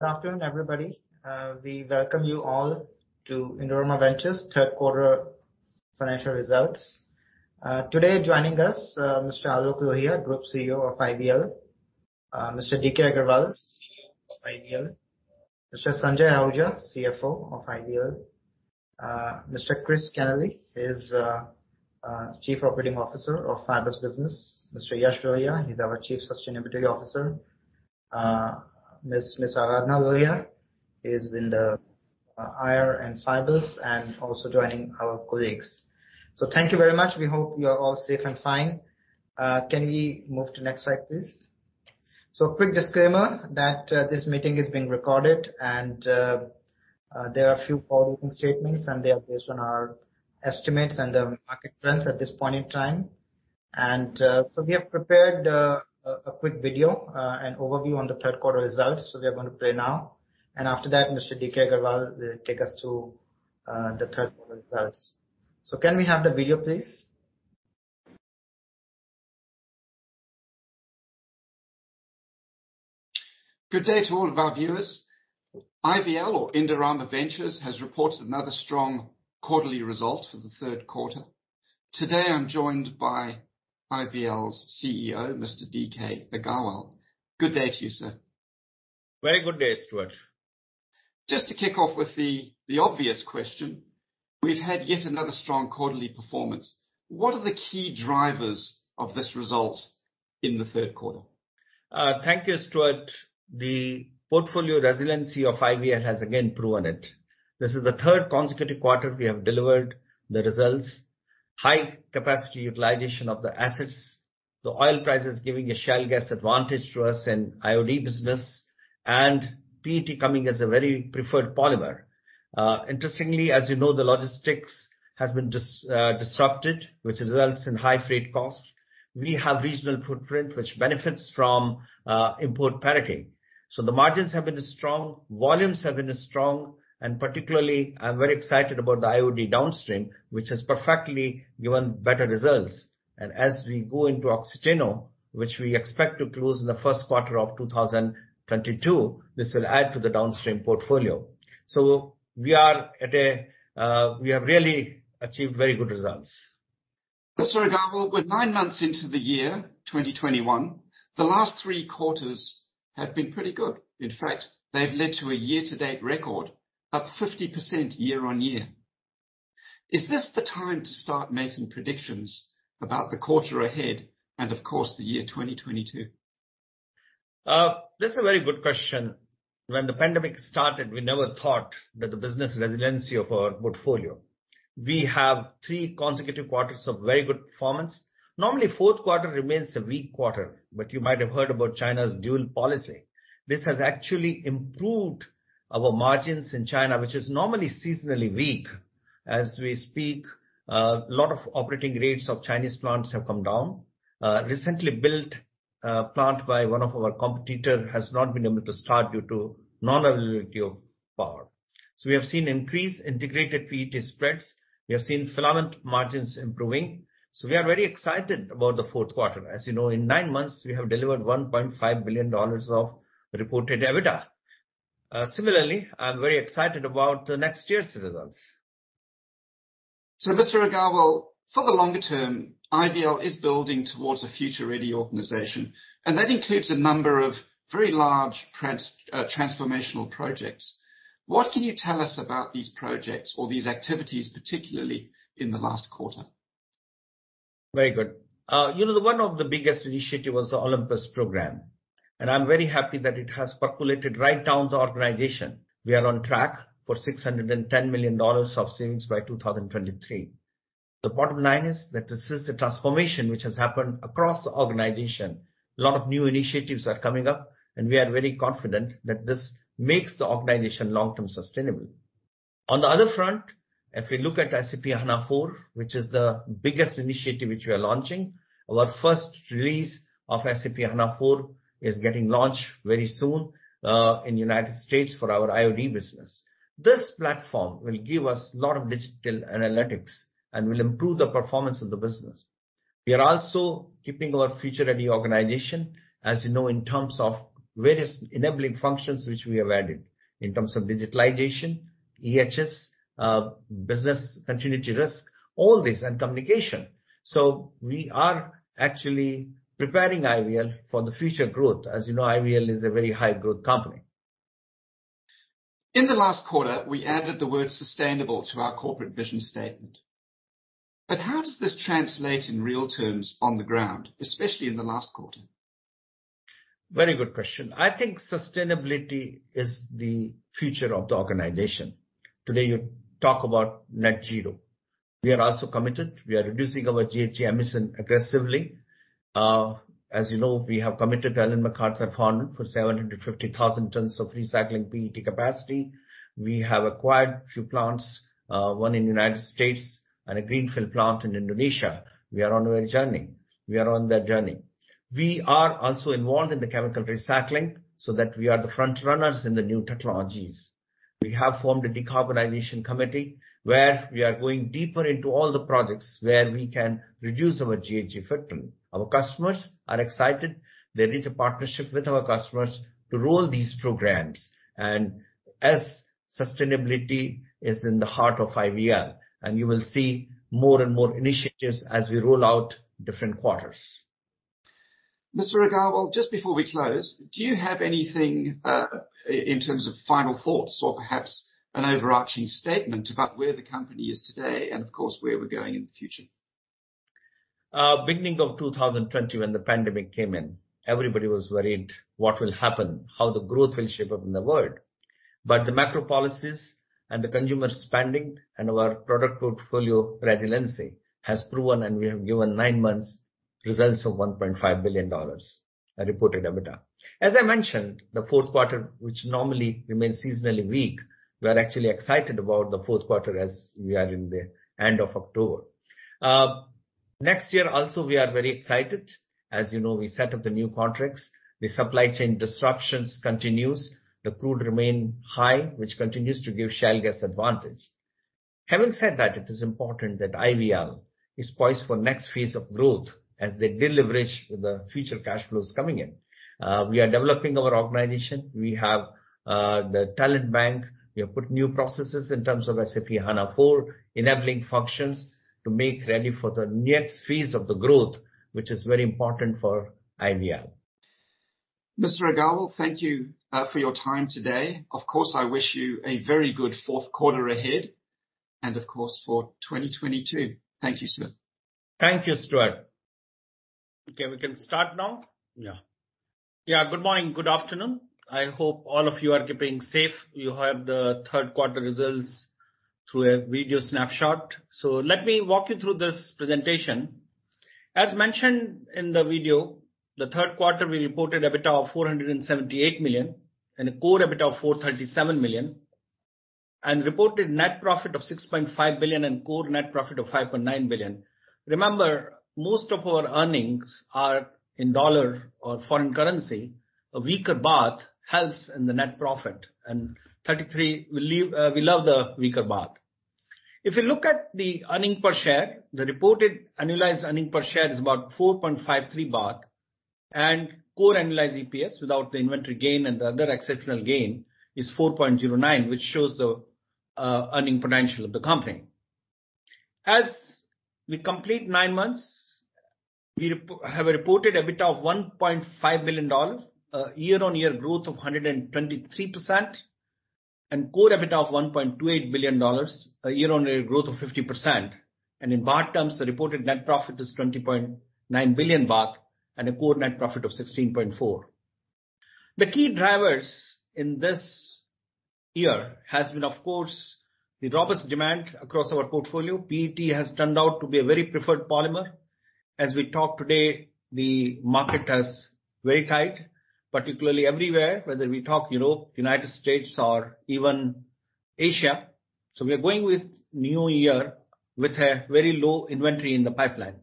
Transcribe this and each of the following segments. Good afternoon, everybody. We welcome you all to Indorama Ventures Third Quarter Financial Results. Today joining us, Mr. Aloke Lohia, Group CEO of IVL, Mr. D.K. Agarwal, CEO of IVL, Mr. Sanjay Ahuja, CFO of IVL, Mr. Chris Kenneally is Chief Operating Officer of Fibers Business, Mr. Yash Lohia, he's our Chief Sustainability Officer, Ms. Aradhana Lohia is in the IR and Fibers and also joining our colleagues. Thank you very much. We hope you are all safe and fine. Can we move to next slide, please? Quick disclaimer that this meeting is being recorded and there are a few forward-looking statements, and they are based on our estimates and the market trends at this point in time. We have prepared a quick video, an overview on the third quarter results. We are going to play now. After that, Mr. DK Agarwal will take us through the third quarter results. Can we have the video, please? Good day to all of our viewers. IVL or Indorama Ventures has reported another strong quarterly result for the third quarter. Today I'm joined by IVL's CEO, Mr. D.K. Agarwal. Good day to you, sir. Very good day, Stuart. Just to kick off with the obvious question, we've had yet another strong quarterly performance. What are the key drivers of this result in the third quarter? Thank you, Stuart. The portfolio resiliency of IVL has again proven it. This is the third consecutive quarter we have delivered the results. High capacity utilization of the assets, the oil prices giving a shale gas advantage to us in IOD business, and PET coming as a very preferred polymer. Interestingly, as you know, the logistics has been disrupted, which results in high freight costs. We have regional footprint which benefits from import parity. The margins have been strong, volumes have been strong, and particularly I'm very excited about the IOD downstream, which has perfectly given better results. As we go into Oxiteno, which we expect to close in the first quarter of 2022, this will add to the downstream portfolio. We have really achieved very good results. Mr. Agarwal, we're nine months into the year 2021. The last three quarters have been pretty good. In fact, they've led to a year-to-date record, up 50% year-on-year. Is this the time to start making predictions about the quarter ahead and of course the year 2022? That's a very good question. When the pandemic started, we never thought that the business resiliency of our portfolio. We have three consecutive quarters of very good performance. Normally, fourth quarter remains a weak quarter. You might have heard about China's dual policy. This has actually improved our margins in China, which is normally seasonally weak. As we speak, a lot of operating rates of Chinese plants have come down. Recently built plant by one of our competitor has not been able to start due to non-availability of power. We have seen increased integrated PET spreads. We have seen filament margins improving. We are very excited about the fourth quarter. As you know, in nine months, we have delivered $1.5 billion of reported EBITDA. Similarly, I'm very excited about next year's results. Mr. Agarwal, for the longer term, IVL is building towards a future-ready organization, and that includes a number of very large transformational projects. What can you tell us about these projects or these activities, particularly in the last quarter? Very good. You know, one of the biggest initiative was the Project Olympus, and I'm very happy that it has percolated right down the organization. We are on track for $610 million of savings by 2023. The bottom line is that this is a transformation which has happened across the organization. A lot of new initiatives are coming up, and we are very confident that this makes the organization long-term sustainable. On the other front, if we look at SAP S/4HANA, which is the biggest initiative which we are launching, our first release of SAP S/4HANA is getting launched very soon in the U.S. for our IOD business. This platform will give us lot of digital analytics and will improve the performance of the business. We are also keeping our future-ready organization, as you know, in terms of various enabling functions which we have added in terms of digitalization, EHS, business continuity risk, all this and communication. We are actually preparing IVL for the future growth. As you know, IVL is a very high growth company. In the last quarter, we added the word sustainable to our corporate vision statement. How does this translate in real terms on the ground, especially in the last quarter? Very good question. I think sustainability is the future of the organization. Today, you talk about net zero. We are also committed. We are reducing our GHG emission aggressively. as you know, we have committed to Ellen MacArthur Foundation for 750,000 tons of recycling PET capacity. We have acquired a few plants, 1 in the U.S. and a greenfield plant in Indonesia. We are on a journey. We are on that journey. We are also involved in the chemical recycling so that we are the front runners in the new technologies. We have formed a decarbonization committee where we are going deeper into all the projects where we can reduce our GHG footprint. Our customers are excited. There is a partnership with our customers to roll these programs. As sustainability is in the heart of IVL, and you will see more and more initiatives as we roll out different quarters. Mr. Agarwal, just before we close, do you have anything, in terms of final thoughts or perhaps an overarching statement about where the company is today and, of course, where we're going in the future? Beginning of 2020 when the pandemic came in, everybody was worried what will happen, how the growth will shape up in the world. The macro policies and the consumer spending and our product portfolio resiliency has proven, and we have given 9 months results of $1.5 billion at reported EBITDA. As I mentioned, the fourth quarter, which normally remains seasonally weak, we are actually excited about the fourth quarter as we are in the end of October. Next year also we are very excited. As you know, we set up the new contracts. The supply chain disruptions continues. The crude remain high, which continues to give shale gas advantage. Having said that, it is important that IVL is poised for next phase of growth as they deleverage the future cash flows coming in. We are developing our organization. We have the talent bank. We have put new processes in terms of SAP S/4HANA, enabling functions to make ready for the next phase of the growth, which is very important for IVL. Mr. Agarwal, thank you, for your time today. Of course, I wish you a very good fourth quarter ahead and, of course, for 2022. Thank you, sir. Thank you, Stuart. Okay, we can start now? Yeah, good morning, good afternoon. I hope all of you are keeping safe. You have the third quarter results through a video snapshot. Let me walk you through this presentation. As mentioned in the video, the third quarter, we reported EBITDA of $478 million and a core EBITDA of $437 million. Reported net profit of $6.5 billion and core net profit of $5.9 billion. Remember, most of our earnings are in dollar or foreign currency. A weaker baht helps in the net profit. Thirty-three will leave, we love the weaker baht. If you look at the earning per share, the reported annualized earning per share is about 4.53 baht. Core annualized EPS without the inventory gain and the other exceptional gain is 4.09, which shows the earning potential of the company. As we complete nine months, we have a reported EBITDA of $1.5 billion, year-on-year growth of 123%, and core EBITDA of $1.28 billion, a year-on-year growth of 50%. In baht terms, the reported net profit is 20.9 billion baht and a core net profit of 16.4 billion. The key drivers in this year has been, of course, the robust demand across our portfolio. PET has turned out to be a very preferred polymer. As we talk today, the market is very tight, particularly everywhere, whether we talk, you know, United States or even Asia. We are going with new year with a very low inventory in the pipeline.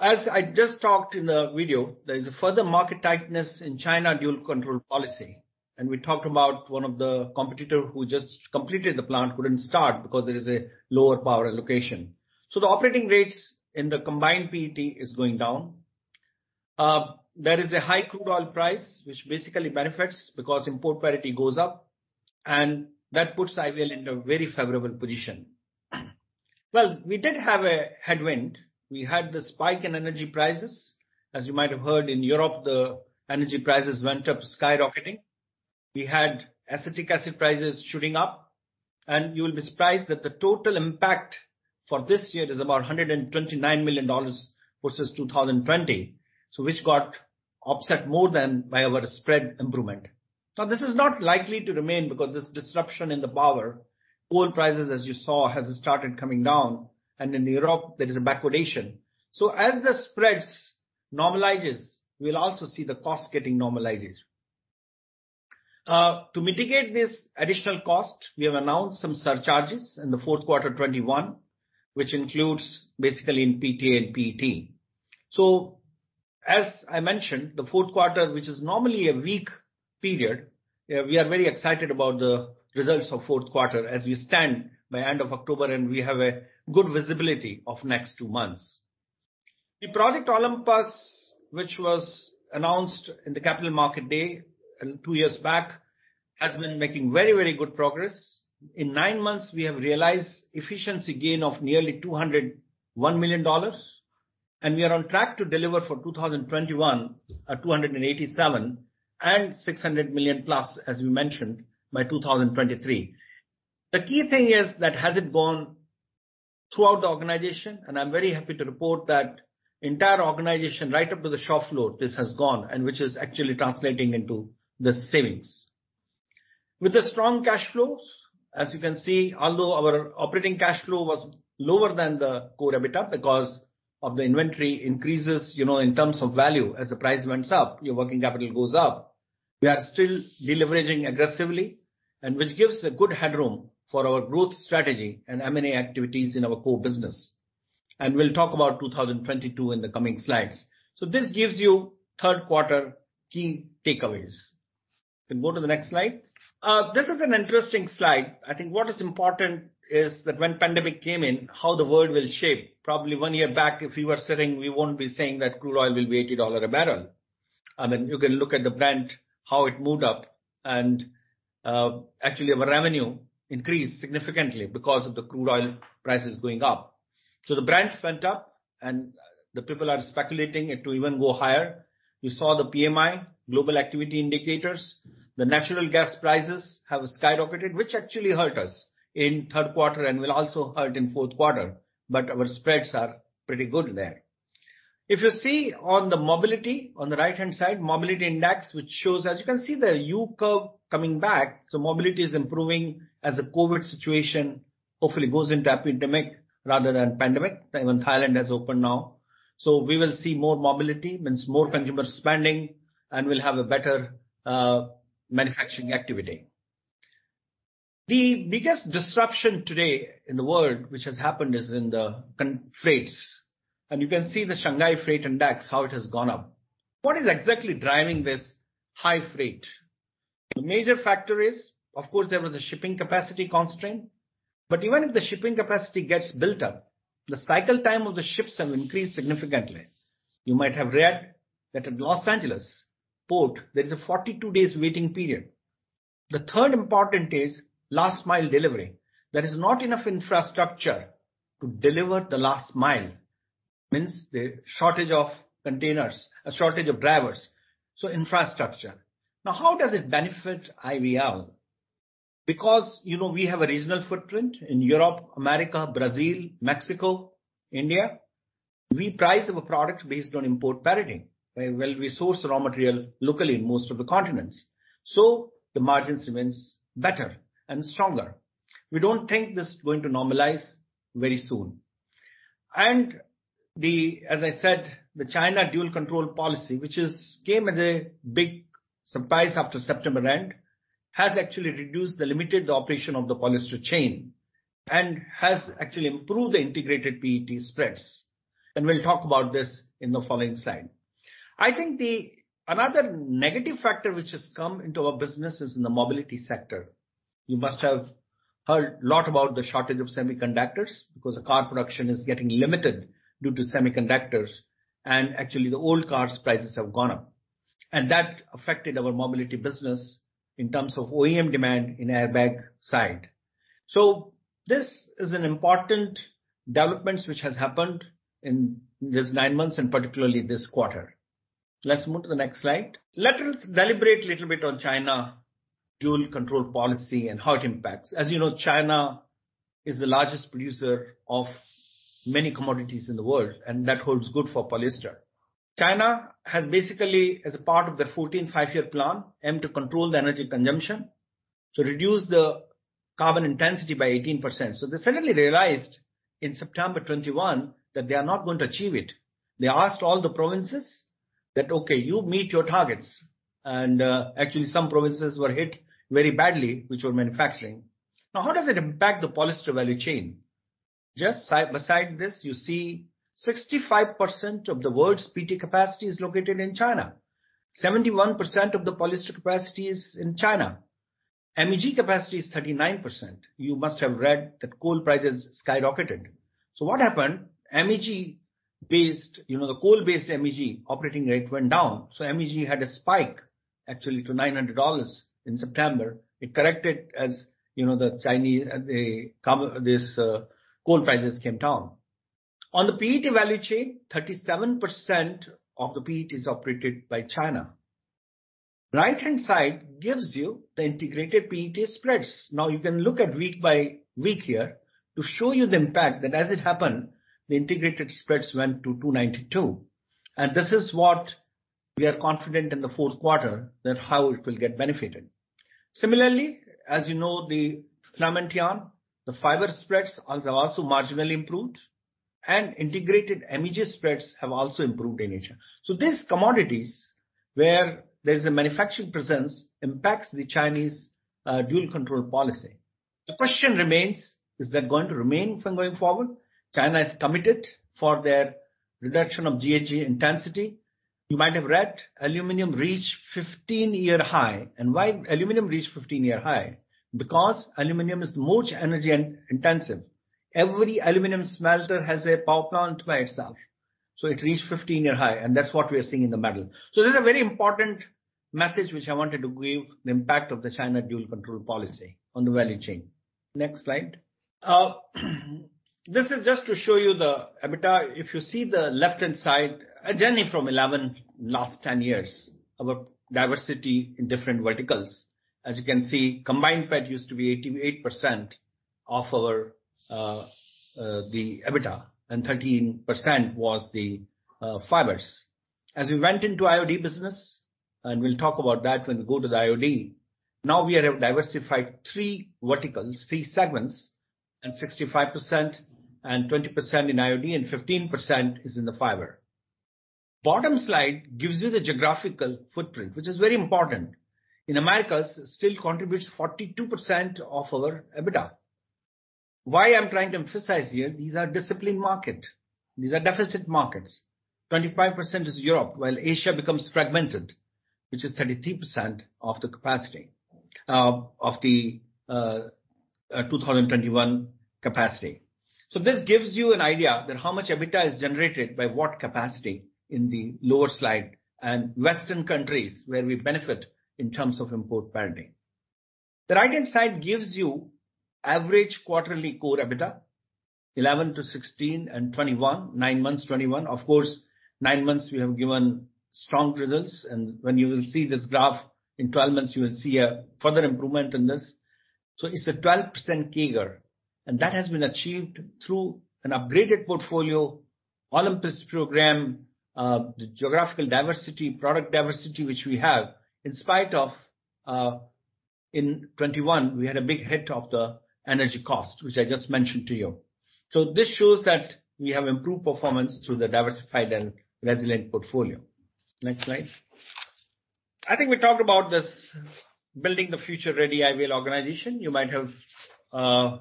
As I just talked in the video, there is a further market tightness in China dual control policy. We talked about one of the competitor who just completed the plant couldn't start because there is a lower power allocation. The operating rates in the Combined PET is going down. There is a high crude oil price which basically benefits because import parity goes up, and that puts IVL in a very favorable position. Well, we did have a headwind. We had the spike in energy prices. As you might have heard, in Europe, the energy prices went up skyrocketing. We had acetic acid prices shooting up. You will be surprised that the total impact for this year is about $129 million versus 2020. Which got upset more than by our spread improvement. This is not likely to remain because this disruption in the power, oil prices, as you saw, has started coming down. In Europe, there is a backwardation. As the spreads normalizes, we'll also see the cost getting normalized. To mitigate this additional cost, we have announced some surcharges in the fourth quarter 2021, which includes basically in PTA and PET. As I mentioned, the fourth quarter, which is normally a weak period, we are very excited about the results of fourth quarter as we stand by end of October, and we have a good visibility of next 2 months. The Project Olympus, which was announced in the Capital Markets Day, 2 years back, has been making very good progress. In nine months, we have realized efficiency gain of nearly $201 million. We are on track to deliver for 2021, $287 million and $600 million+, as we mentioned, by 2023. The key thing is that it has gone throughout the organization, and I'm very happy to report that the entire organization, right up to the shop floor, this has gone, and which is actually translating into the savings. With the strong cash flows, as you can see, although our operating cash flow was lower than the core EBITDA because of the inventory increases, you know, in terms of value, as the price went up, your working capital goes up. We are still deleveraging aggressively which gives a good headroom for our growth strategy and M&A activities in our core business. We'll talk about 2022 in the coming slides. This gives you 3rd quarter key takeaways. You can go to the next slide. This is an interesting slide. I think what is important is that when pandemic came in, how the world will shape. Probably 1 year back, if we were sitting, we won't be saying that crude oil will be $80 a barrel. I mean, you can look at the Brent, how it moved up and actually our revenue increased significantly because of the crude oil prices going up. The Brent went up and the people are speculating it to even go higher. We saw the PMI global activity indicators. The natural gas prices have skyrocketed, which actually hurt us in third quarter and will also hurt in fourth quarter, but our spreads are pretty good there. If you see on the mobility, on the right-hand side, mobility index, which shows as you can see, the U curve coming back, so mobility is improving as the COVID situation hopefully goes into epidemic rather than pandemic. Even Thailand has opened now. We will see more mobility, means more consumer spending, and we'll have a better manufacturing activity. The biggest disruption today in the world, which has happened is in the freights. You can see the Shanghai Freight Index, how it has gone up. What is exactly driving this high freight? The major factor is, of course, there was a shipping capacity constraint. Even if the shipping capacity gets built up, the cycle time of the ships have increased significantly. You might have read that in Los Angeles port, there is a 42 days waiting period. The third important is last mile delivery. There is not enough infrastructure to deliver the last mile. Means the shortage of containers, a shortage of drivers, so infrastructure. How does it benefit IVL? You know, we have a regional footprint in Europe, America, Brazil, Mexico, India. We price our products based on import parity, where we source raw material locally in most of the continents. The margins remains better and stronger. We don't think this is going to normalize very soon. As I said, the China dual control policy, which is came as a big surprise after September end, has actually reduced the limited operation of the polyester chain and has actually improved the integrated PET spreads. We'll talk about this in the following slide. I think another negative factor which has come into our business is in the mobility sector. You must have heard a lot about the shortage of semiconductors because the car production is getting limited due to semiconductors, and actually the old cars prices have gone up. That affected our mobility business in terms of OEM demand in airbag side. This is an important developments which has happened in these nine months, and particularly this quarter. Let's move to the next slide. Let us deliberate a little bit on China dual control policy and how it impacts. As you know, China is the largest producer of many commodities in the world, and that holds good for polyester. China has basically, as a part of their 14th Five-Year Plan, aimed to control the energy consumption to reduce the carbon intensity by 18%. They suddenly realized in September 2021 that they are not going to achieve it. They asked all the provinces that, "Okay, you meet your targets." Actually some provinces were hit very badly, which were manufacturing. Now, how does it impact the polyester value chain? Just side beside this, you see 65% of the world's PTA capacity is located in China. 71% of the polyester capacity is in China. MEG capacity is 39%. You must have read that coal prices skyrocketed. What happened? MEG based, you know, the coal-based MEG operating rate went down. MEG had a spike actually to $900 in September. It corrected as, you know, the Chinese coal prices came down. On the PET value chain, 37% of the PET is operated by China. Right-hand side gives you the integrated PET spreads. Now you can look at week by week here to show you the impact that as it happened, the integrated spreads went to $292. This is what we are confident in the fourth quarter that how it will get benefited. Similarly, as you know, the filament yarn, the fiber spreads also marginally improved, and integrated MEG spreads have also improved in nature. These commodities where there's a manufacturing presence impacts the Chinese dual control policy. The question remains, is that going to remain from going forward? China is committed for their reduction of GHG intensity. You might have read aluminum reached 15-year high. Why aluminum reached 15-year high? Because aluminum is the most energy in-intensive. Every aluminum smelter has a power plant by itself. It reached 15-year high, and that's what we are seeing in the metal. This is a very important message which I wanted to give, the impact of the China dual control policy on the value chain. Next slide. This is just to show you the EBITDA. If you see the left-hand side, a journey from 11 last 10 years, our diversity in different verticals. As you can see, Combined PET used to be 88% of our the EBITDA, and 13% was the fibers. As we went into IOD business, and we'll talk about that when we go to the IOD, now we have diversified three verticals, three segments, and 65% and 20% in IOD and 15% is in the Fibers. Bottom slide gives you the geographical footprint, which is very important. In Americas still contributes 42% of our EBITDA. Why I'm trying to emphasize here, these are disciplined markets. These are deficit markets. 25% is Europe, while Asia becomes fragmented, which is 33% of the capacity of the 2021 capacity. This gives you an idea that how much EBITDA is generated by what capacity in the lower slide and Western countries where we benefit in terms of import parity. The right-hand side gives you average quarterly core EBITDA, 11 to 16 and 2021, nine months 2021. Of course, nine months we have given strong results. When you will see this graph in 12 months, you will see a further improvement in this. It's a 12% CAGR. That has been achieved through an upgraded portfolio, Olympus program, the geographical diversity, product diversity which we have, in spite of in 2021 we had a big hit of the energy cost, which I just mentioned to you. This shows that we have improved performance through the diversified and resilient portfolio. Next slide. I think we talked about this building the future ready IVL organization. You might have.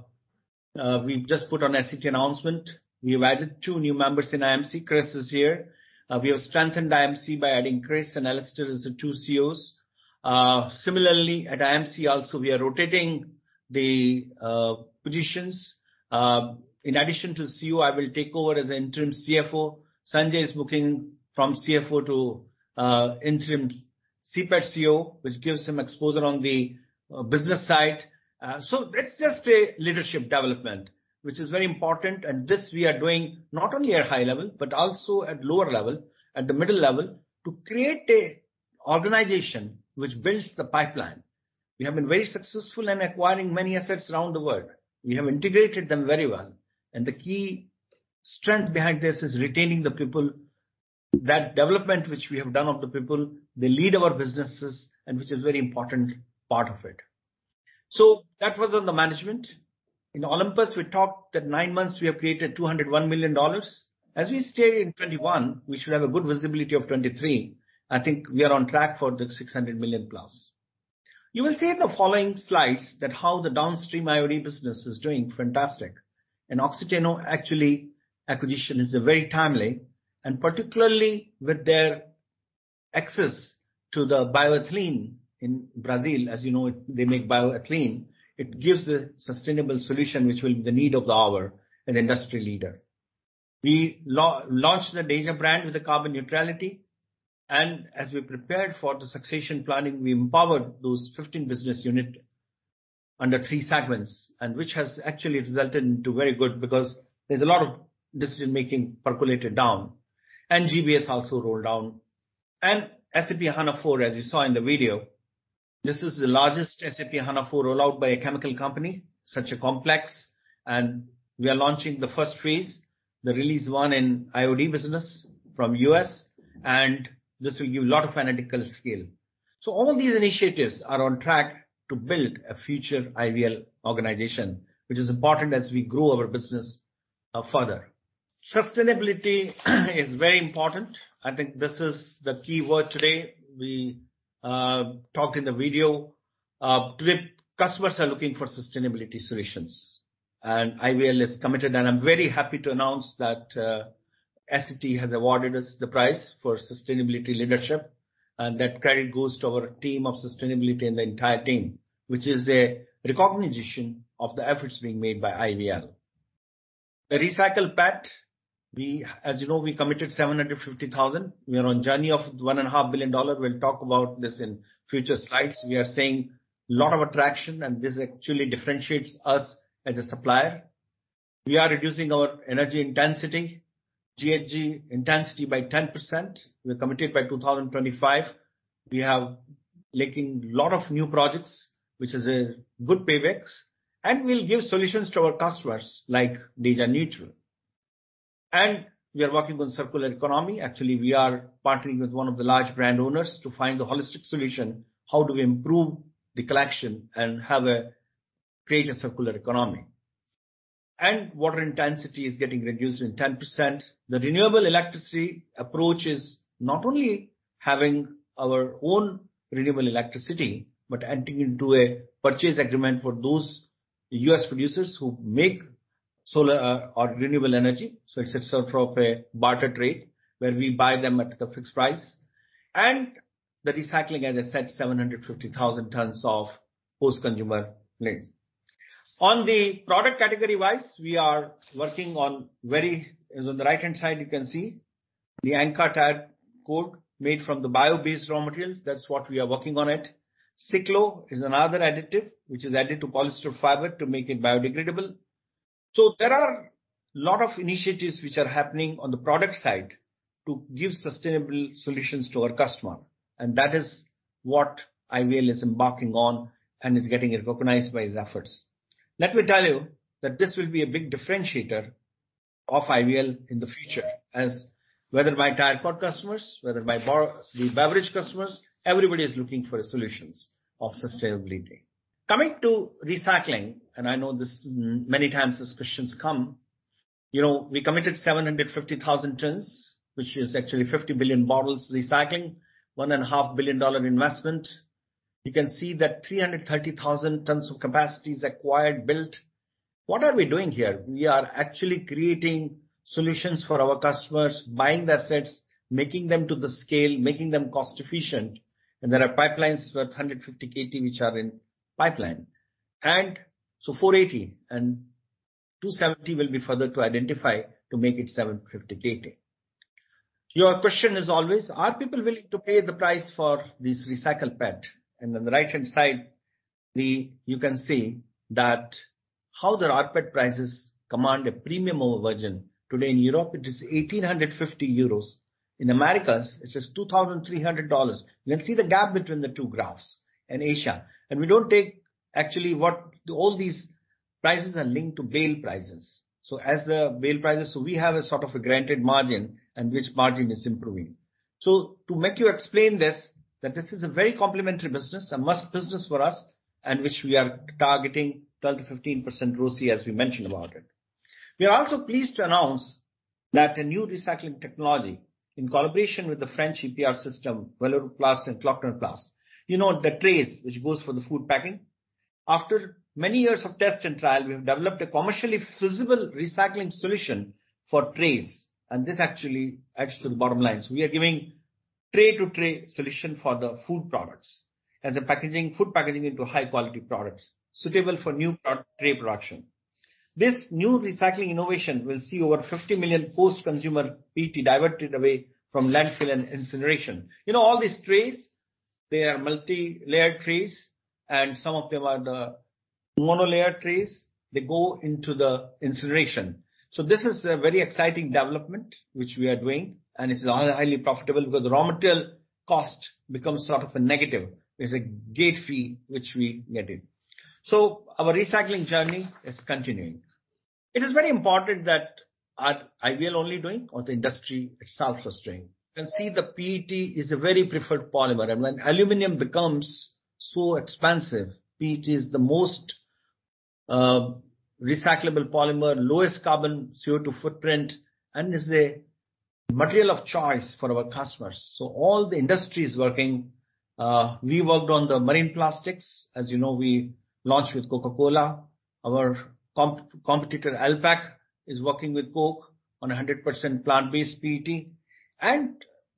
We've just put on SET announcement. We've added two new members in IMC. Chris is here. We have strengthened IMC by adding Chris and Alastair as the two COOs. Similarly, at IMC also we are rotating the positions. In addition to CEO, I will take over as interim CFO. Sanjay is moving from CFO to interim CPET CEO, which gives him exposure on the business side. It's just a leadership development, which is very important. This we are doing not only at high level, but also at lower level, at the middle level, to create a organization which builds the pipeline. We have been very successful in acquiring many assets around the world. We have integrated them very well. The key strength behind this is retaining the people. That development which we have done of the people, they lead our businesses and which is very important part of it. That was on the management. In Olympus, we talked that 9 months we have created $201 million. As we stay in 2021, we should have a good visibility of 2023. I think we are on track for the $600 million+. You will see in the following slides that how the downstream IOD business is doing fantastic. Oxiteno actually acquisition is very timely, and particularly with their access to the bioethylene in Brazil. As you know, they make bioethylene. It gives a sustainable solution which will be the need of the hour, an industry leader. We launch the deja brand with the carbon neutrality. As we prepared for the succession planning, we empowered those 15 business unit under three segments, and which has actually resulted into very good because there's a lot of decision-making percolated down. GBS also rolled down. SAP S/4HANA, as you saw in the video, this is the largest SAP S/4HANA rollout by a chemical company. We are launching the first phase, the release 1 in IOD business from U.S., and this will give lot of analytical scale. All these initiatives are on track to build a future IVL organization, which is important as we grow our business further. Sustainability is very important. I think this is the key word today. We talk in the video. Today customers are looking for sustainability solutions, and IVL is committed. I'm very happy to announce that SET has awarded us the prize for sustainability leadership, and that credit goes to our team of sustainability and the entire team, which is a recognition of the efforts being made by IVL. As you know, we committed $750,000. We are on journey of $1.5 billion. We'll talk about this in future slides. We are seeing lot of attraction, and this actually differentiates us as a supplier. We are reducing our energy intensity, GHG intensity by 10%. We're committed by 2025. We have making lot of new projects, which is a good payback, and we'll give solutions to our customers like Deja™ Neutral. We are working on circular economy. Actually, we are partnering with one of the large brand owners to find a holistic solution, how do we improve the collection and have a greater circular economy. Water intensity is getting reduced in 10%. The renewable electricity approach is not only having our own renewable electricity, but entering into a purchase agreement for those U.S. producers who make solar or renewable energy. It's a sort of a barter trade where we buy them at the fixed price. The recycling, as I said, 750,000 tons of post-consumer waste. On the product category-wise, we are working on. On the right-hand side, you can see the Anchor tire cord made from the bio-based raw materials. That's what we are working on it. CiCLO® is another additive which is added to polyester fiber to make it biodegradable. There are a lot of initiatives which are happening on the product side to give sustainable solutions to our customer. That is what IVL is embarking on and is getting recognized by its efforts. Let me tell you that this will be a big differentiator of IVL in the future as whether by tire cord customers, whether by the beverage customers, everybody is looking for solutions of sustainability. Coming to recycling, I know this many times these questions come. You know, we committed 750,000 tons, which is actually 50 billion bottles recycling. $1.5 billion investment. You can see that 330,000 tons of capacity is acquired, built. What are we doing here? We are actually creating solutions for our customers, buying the assets, making them to the scale, making them cost efficient. There are pipelines worth 150 KT which are in pipeline. So 480 and 270 will be further to identify to make it 750 KT. Your question is always, are people willing to pay the price for this recycled PET? On the right-hand side, you can see that how the rPET prices command a premium over virgin. Today in Europe it is 1,850 euros. In Americas, it is $2,300. You can see the gap between the two graphs. In Asia. We don't take actually. All these prices are linked to bale prices. As the bale prices, so we have a sort of a granted margin, and which margin is improving. To make you explain this, that this is a very complementary business, a must business for us, and which we are targeting 10%-15% ROCE, as we mentioned about it. We are also pleased to announce that a new recycling technology in collaboration with the French EPR system, Valorplast and Klöckner Pentaplast. You know the trays which goes for the food packing? After many years of test and trial, we have developed a commercially feasible recycling solution for trays, this actually adds to the bottom line. We are giving tray to tray solution for the food products. As a packaging, food packaging into high quality products suitable for new pro-tray production. This new recycling innovation will see over 50 million post-consumer PET diverted away from landfill and incineration. You know, all these trays, they are multi-layered trays, some of them are the mono-layered trays. They go into the incineration. This is a very exciting development which we are doing, it's highly profitable because the raw material cost becomes sort of a negative. There's a gate fee which we get it. Our recycling journey is continuing. It is very important that are IVL only doing or the industry itself is doing. You can see the PET is a very preferred polymer. When aluminum becomes so expensive, PET is the most recyclable polymer, lowest carbon CO2 footprint, and is a material of choice for our customers. All the industry is working. We worked on the marine plastics. As you know, we launched with Coca-Cola. Our competitor, Alpek, is working with Coke on a 100% plant-based PET.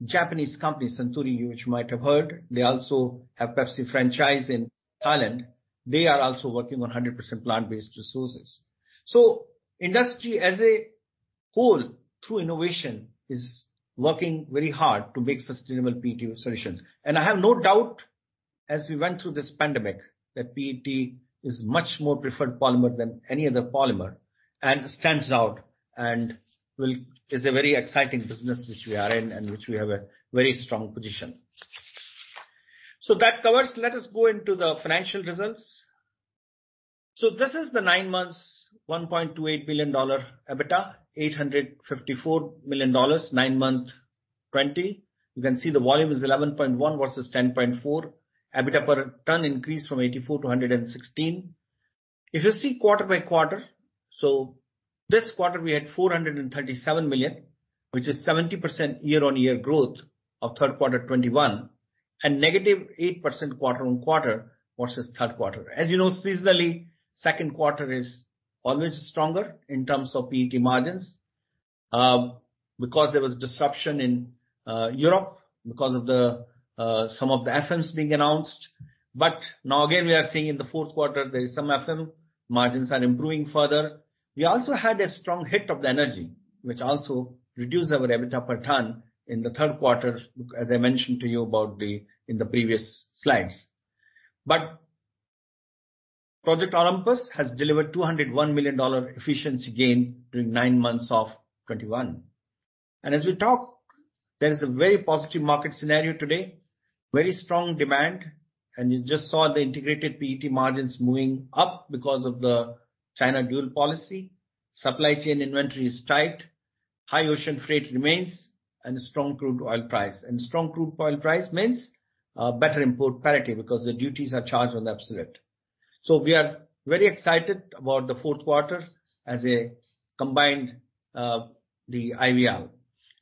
Japanese company, Suntory, which you might have heard, they also have Pepsi franchise in Thailand. They are also working on a 100% plant-based resources. Industry as a whole, through innovation, is working very hard to make sustainable PET solutions. I have no doubt, as we went through this pandemic, that PET is much more preferred polymer than any other polymer and stands out and is a very exciting business which we are in and which we have a very strong position. That covers. Let us go into the financial results. This is the 9 months, $1.28 billion EBITDA. $854 million, 9 month 2020. You can see the volume is 11.1 versus 10.4. EBITDA per ton increased from 84 to 116. If you see quarter-by-quarter, this quarter we had $437 million, which is 70% year-on-year growth of third quarter 2021, and -8% quarter-on-quarter versus third quarter. As you know, seasonally, second quarter is always stronger in terms of PET margins, because there was disruption in Europe because of the some of the FMs being announced. Now again, we are seeing in the fourth quarter there is some FM. Margins are improving further. We also had a strong hit of the energy, which also reduced our EBITDA per ton in the third quarter, as I mentioned to you in the previous slides. Project Olympus has delivered $201 million efficiency gain during nine months of 2021. As we talk, there is a very positive market scenario today, very strong demand, and you just saw the integrated PET margins moving up because of the China dual control policy. Supply chain inventory is tight. High ocean freight remains and strong crude oil price. Strong crude oil price means better import parity because the duties are charged on the absolute. We are very excited about the fourth quarter as a combined IVL.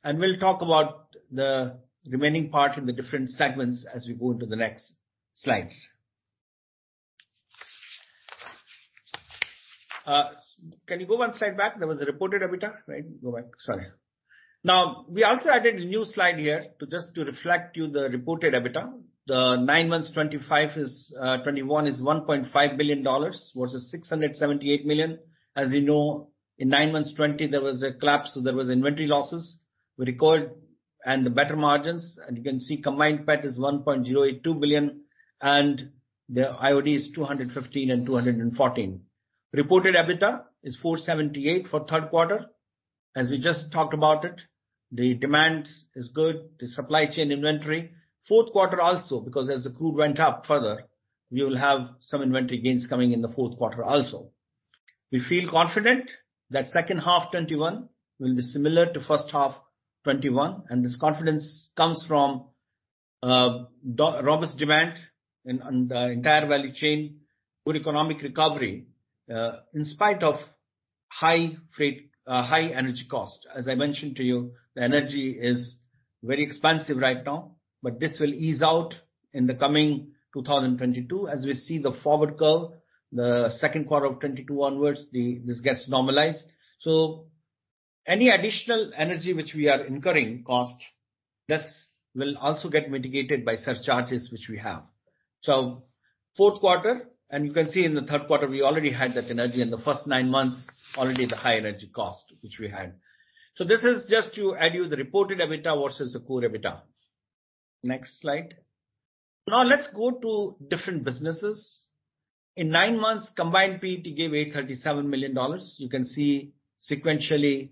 We'll talk about the remaining part in the different segments as we go into the next slides. Can you go 1 slide back? There was a reported EBITDA, right? Go back. Sorry. We also added a new slide here to just to reflect you the reported EBITDA. The 9 months 2021 is $1.5 billion versus $678 million. As you know, in 9 months 2020, there was a collapse, so there was inventory losses we recovered and the better margins. You can see Combined PET is $1.082 billion and the IOD is $215 million and $214 million. Reported EBITDA is $478 for third quarter. As we just talked about it, the demand is good, the supply chain inventory. Fourth quarter also, because as the crude went up further, we will have some inventory gains coming in the fourth quarter also. We feel confident that second half 2021 will be similar to first half 2021, and this confidence comes from robust demand in, on the entire value chain, good economic recovery, in spite of high freight, high energy cost. As I mentioned to you, the energy is very expensive right now, but this will ease out in the coming 2022. As we see the forward curve, the second quarter of 2022 onwards, this gets normalized. Any additional energy which we are incurring cost, this will also get mitigated by surcharges which we have. Fourth quarter, and you can see in the third quarter, we already had that energy in the first nine months, already the high energy cost which we had. This is just to add you the reported EBITDA versus the core EBITDA. Next slide. Let's go to different businesses. In nine months, Combined PET gave $837 million. You can see sequentially,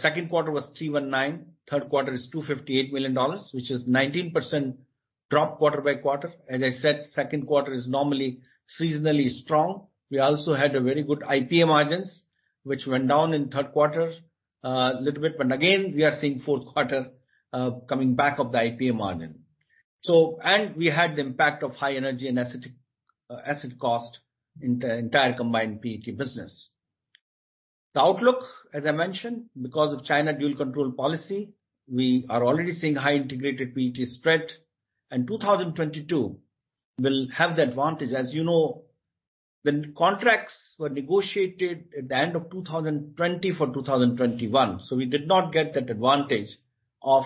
second quarter was $319, third quarter is $258 million, which is 19% drop quarter-by-quarter. As I said, second quarter is normally seasonally strong. We also had a very good IPA margins, which went down in third quarter a little bit. Again, we are seeing fourth quarter coming back of the IPA margin. We had the impact of high energy and acetic acid cost in the entire Combined PET business. The outlook, as I mentioned, because of China Dual Control Policy, we are already seeing high integrated PET spread. 2022 will have the advantage. As you know, when contracts were negotiated at the end of 2020 for 2021, we did not get that advantage of,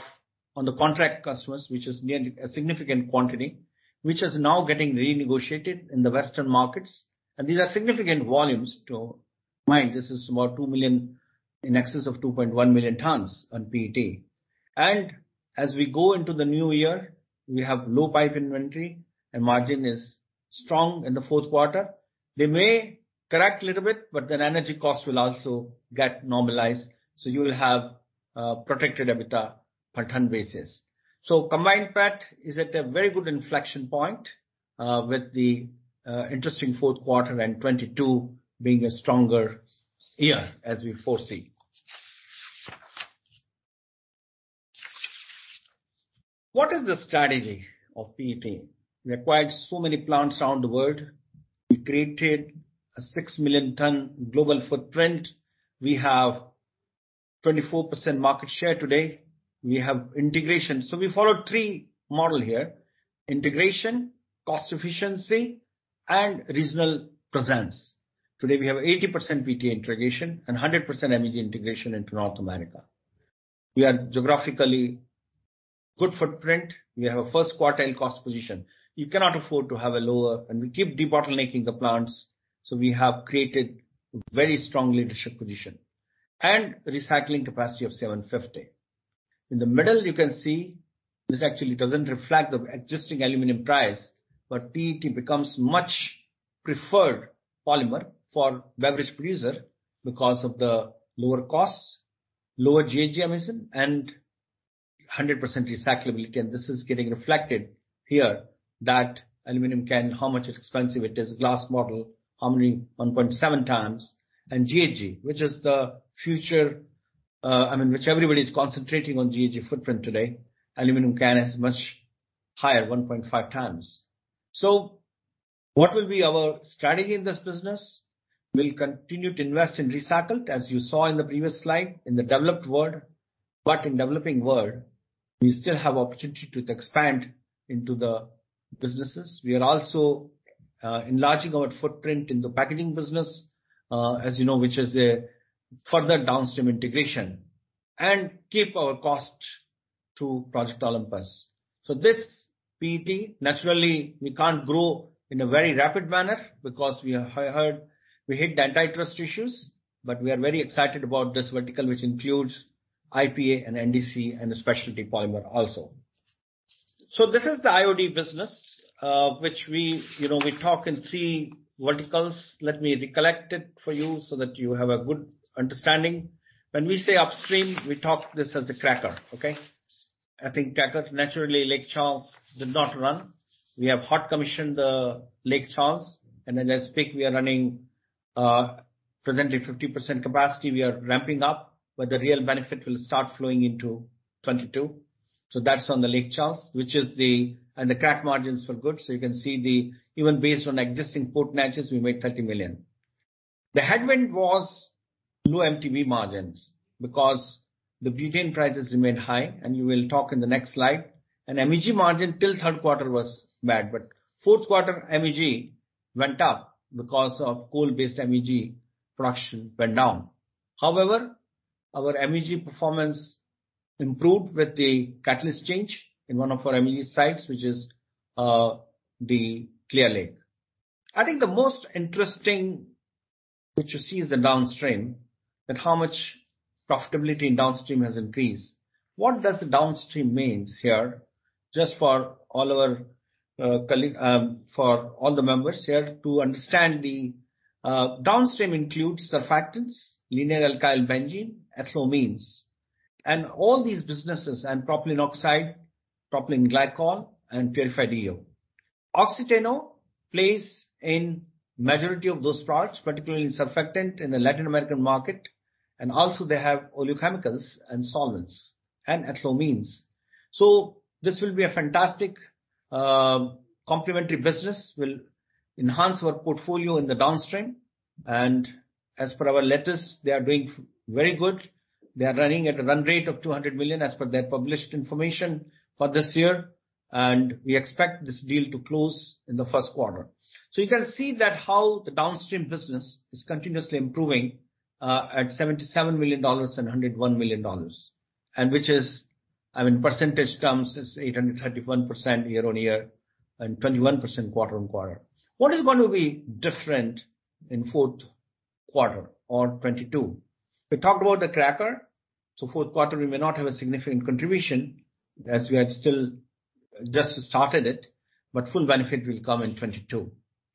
on the contract customers, which is a significant quantity, which is now getting renegotiated in the Western markets. These are significant volumes to mind. This is about 2 million, in excess of 2.1 million tons on PET. As we go into the new year, we have low pipe inventory and margin is strong in the fourth quarter. They may correct a little bit, energy cost will also get normalized, you will have protected EBITDA per ton basis. Combined PET is at a very good inflection point with the interesting fourth quarter and 2022 being a stronger year as we foresee. What is the strategy of PET? We acquired so many plants around the world. We created a 6 million tons global footprint. We have 24% market share today. We have integration. We follow three model here: integration, cost efficiency, and regional presence. Today, we have 80% PET integration and 100% MEG integration into North America. We are geographically good footprint. We have a first quartile cost position. You cannot afford to have a lower, and we keep debottlenecking the plants, so we have created very strong leadership position. Recycling capacity of 750. In the middle, you can see this actually doesn't reflect the existing aluminum price. PET becomes much preferred polymer for beverage producer because of the lower costs, lower GHG emission, and 100% recyclability. This is getting reflected here that aluminum can, how much expensive it is. Glass bottle, how many, 1.7x. GHG, which is the future, I mean, which everybody's concentrating on GHG footprint today. Aluminum can has much higher, 1.5x. What will be our strategy in this business? We'll continue to invest in recycled, as you saw in the previous slide, in the developed world. In developing world, we still have opportunity to expand into the businesses. We are also enlarging our footprint in the packaging business, as you know, which is a further downstream integration, and keep our cost to Project Olympus. This PET, naturally, we can't grow in a very rapid manner because we have heard we hit the antitrust issues. We are very excited about this vertical, which includes IPA and NDC and the specialty polymer also. This is the IOD business, which we, you know, we talk in three verticals. Let me recollect it for you so that you have a good understanding. When we say upstream, we talk this as a cracker, okay? Cracker, naturally, Lake Charles did not run. We have hot commissioned the Lake Charles, and as I speak, we are running presently 50% capacity. We are ramping up, but the real benefit will start flowing into 2022. That's on the Lake Charles. The crack margins were good. You can see the, even based on existing spot margins, we made $30 million. The headwind was low MTBE margins because the butane prices remained high, and we will talk in the next slide. MEG margin till 3rd quarter was bad, but 4th quarter MEG went up because of coal-based MEG production went down. However, our MEG performance improved with the catalyst change in one of our MEG sites, which is the Clear Lake. I think the most interesting, which you see is the downstream, and how much profitability in downstream has increased. What does the downstream means here? Just for all our members here to understand, Downstream includes surfactants, linear alkyl benzene, ethanolamines, and all these businesses, and propylene oxide, propylene glycol and purified EO. Oxiteno plays in majority of those products, particularly in surfactants in the Latin American market, and also they have oleochemicals and solvents and ethanolamines. This will be a fantastic, complementary business, will enhance our portfolio in the downstream. As per our letters, they are doing very good. They are running at a run rate of $200 million as per their published information for this year. We expect this deal to close in the first quarter. You can see that how the downstream business is continuously improving, at $77 million and $101 million. Which is, I mean, percentage terms is 831% year-on-year and 21% quarter-on-quarter. What is going to be different in fourth quarter or 2022? We talked about the cracker. Fourth quarter, we may not have a significant contribution as we are still just started it, but full benefit will come in 2022.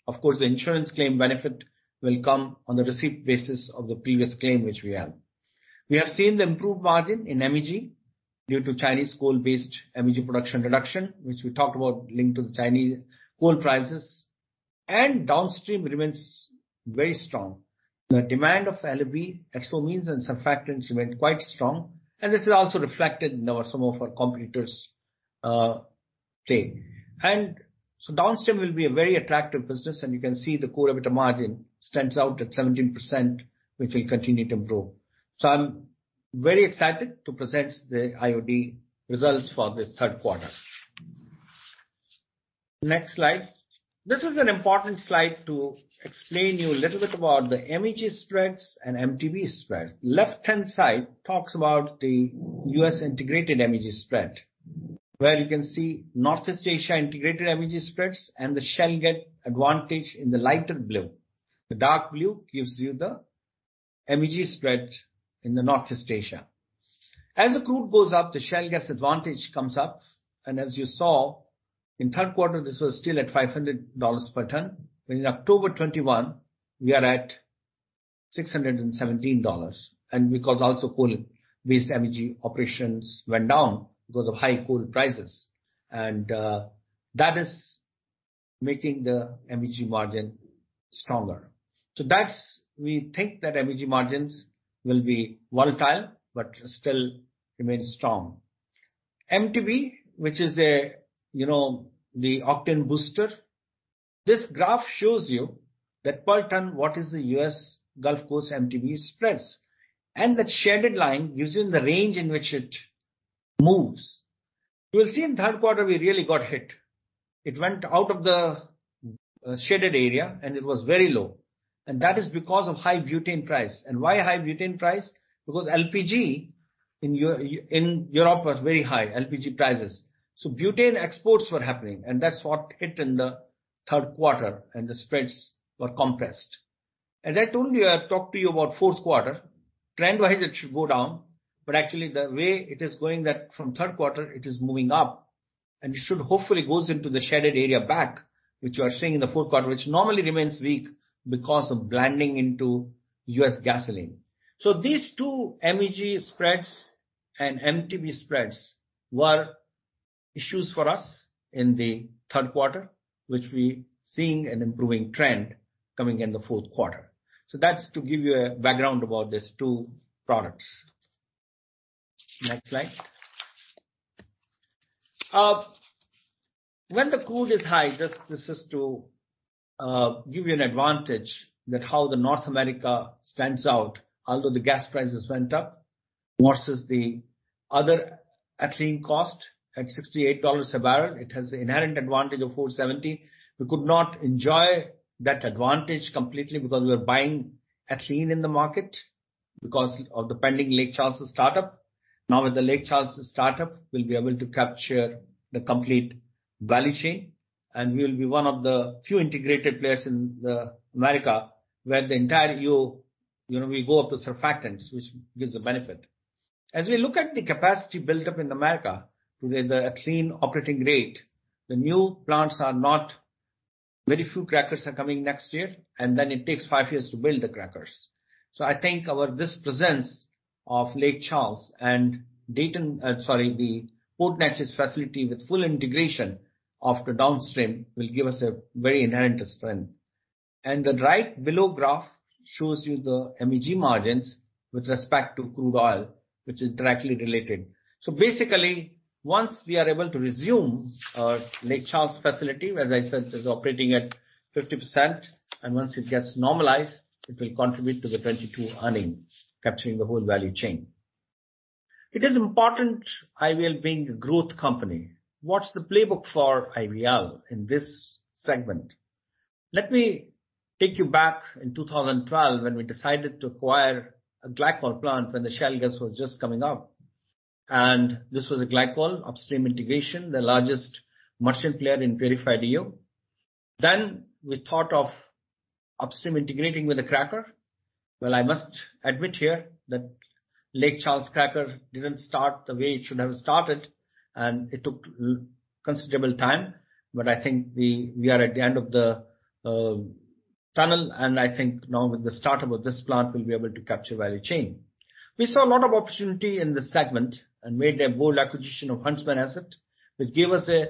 Of course, the insurance claim benefit will come on the receipt basis of the previous claim which we have. We have seen the improved margin in MEG due to Chinese coal-based MEG production reduction, which we talked about linked to the Chinese coal prices. Downstream remains very strong. The demand of LAB, ethanolamines and surfactants remained quite strong. This is also reflected in our some of our competitors' take. Downstream will be a very attractive business, and you can see the core EBITDA margin stands out at 17%, which will continue to improve. I'm very excited to present the IOD results for this third quarter. Next slide. This is an important slide to explain you a little bit about the MEG spreads and MTBE spread. Left-hand side talks about the U.S. integrated MEG spread, where you can see Northeast Asia integrated MEG spreads and the shale gas advantage in the lighter blue. The dark blue gives you the MEG spread in the Northeast Asia. As the crude goes up, the shale gas advantage comes up. As you saw in third quarter, this was still at $500 per ton. In October 2021, we are at $617. Because also coal-based MEG operations went down because of high coal prices. That is making the MEG margin stronger. We think that MEG margins will be volatile but still remain strong. MTBE, which is a, you know, the octane booster. This graph shows you that per ton, what is the U.S. Gulf Coast MTBE spreads. That shaded line gives you the range in which it moves. You will see in third quarter, we really got hit. It went out of the shaded area, it was very low. That is because of high butane price. Why high butane price? Because LPG in Europe was very high, LPG prices. Butane exports were happening, and that's what hit in the third quarter, and the spreads were compressed. As I told you, I talked to you about fourth quarter. Trend-wise, it should go down, but actually the way it is going that from third quarter, it is moving up, and it should hopefully goes into the shaded area back, which you are seeing in the fourth quarter, which normally remains weak because of blending into U.S. gasoline. These two MEG spreads and MTBE spreads were issues for us in the third quarter, which we seeing an improving trend coming in the fourth quarter. That's to give you a background about these two products. Next slide. When the crude is high, this is to give you an advantage that how North America stands out, although the gas prices went up versus the other ethylene cost at $68 a barrel. It has the inherent advantage of $470. We could not enjoy that advantage completely because we were buying ethylene in the market because of the pending Lake Charles startup. Now with the Lake Charles startup, we'll be able to capture the complete value chain, and we will be one of the few integrated players in America where the entire EO, you know, we go up to surfactants, which gives a benefit. As we look at the capacity built up in America with the ethylene operating rate, the new plants are not... very few crackers are coming next year, then it takes five years to build the crackers. I think our this presence of Lake Charles and Dayton, sorry, the Port Neches facility with full integration of the downstream will give us a very inherent strength. The right below graph shows you the MEG margins with respect to crude oil, which is directly related. Basically, once we are able to resume our Lake Charles facility, where as I said, is operating at 50%, and once it gets normalized, it will contribute to the 2022 earnings, capturing the whole value chain. It is important IVL being a growth company. What's the playbook for IVL in this segment? Let me take you back in 2012 when we decided to acquire a glycol plant when the shale gas was just coming up. This was a glycol upstream integration, the largest merchant player in purified EO. We thought of upstream integrating with a cracker. I must admit here that Lake Charles cracker didn't start the way it should have started, and it took considerable time. I think we are at the end of the tunnel, and I think now with the start of this plant, we'll be able to capture value chain. We saw a lot of opportunity in this segment and made a bold acquisition of Huntsman asset, which gave us a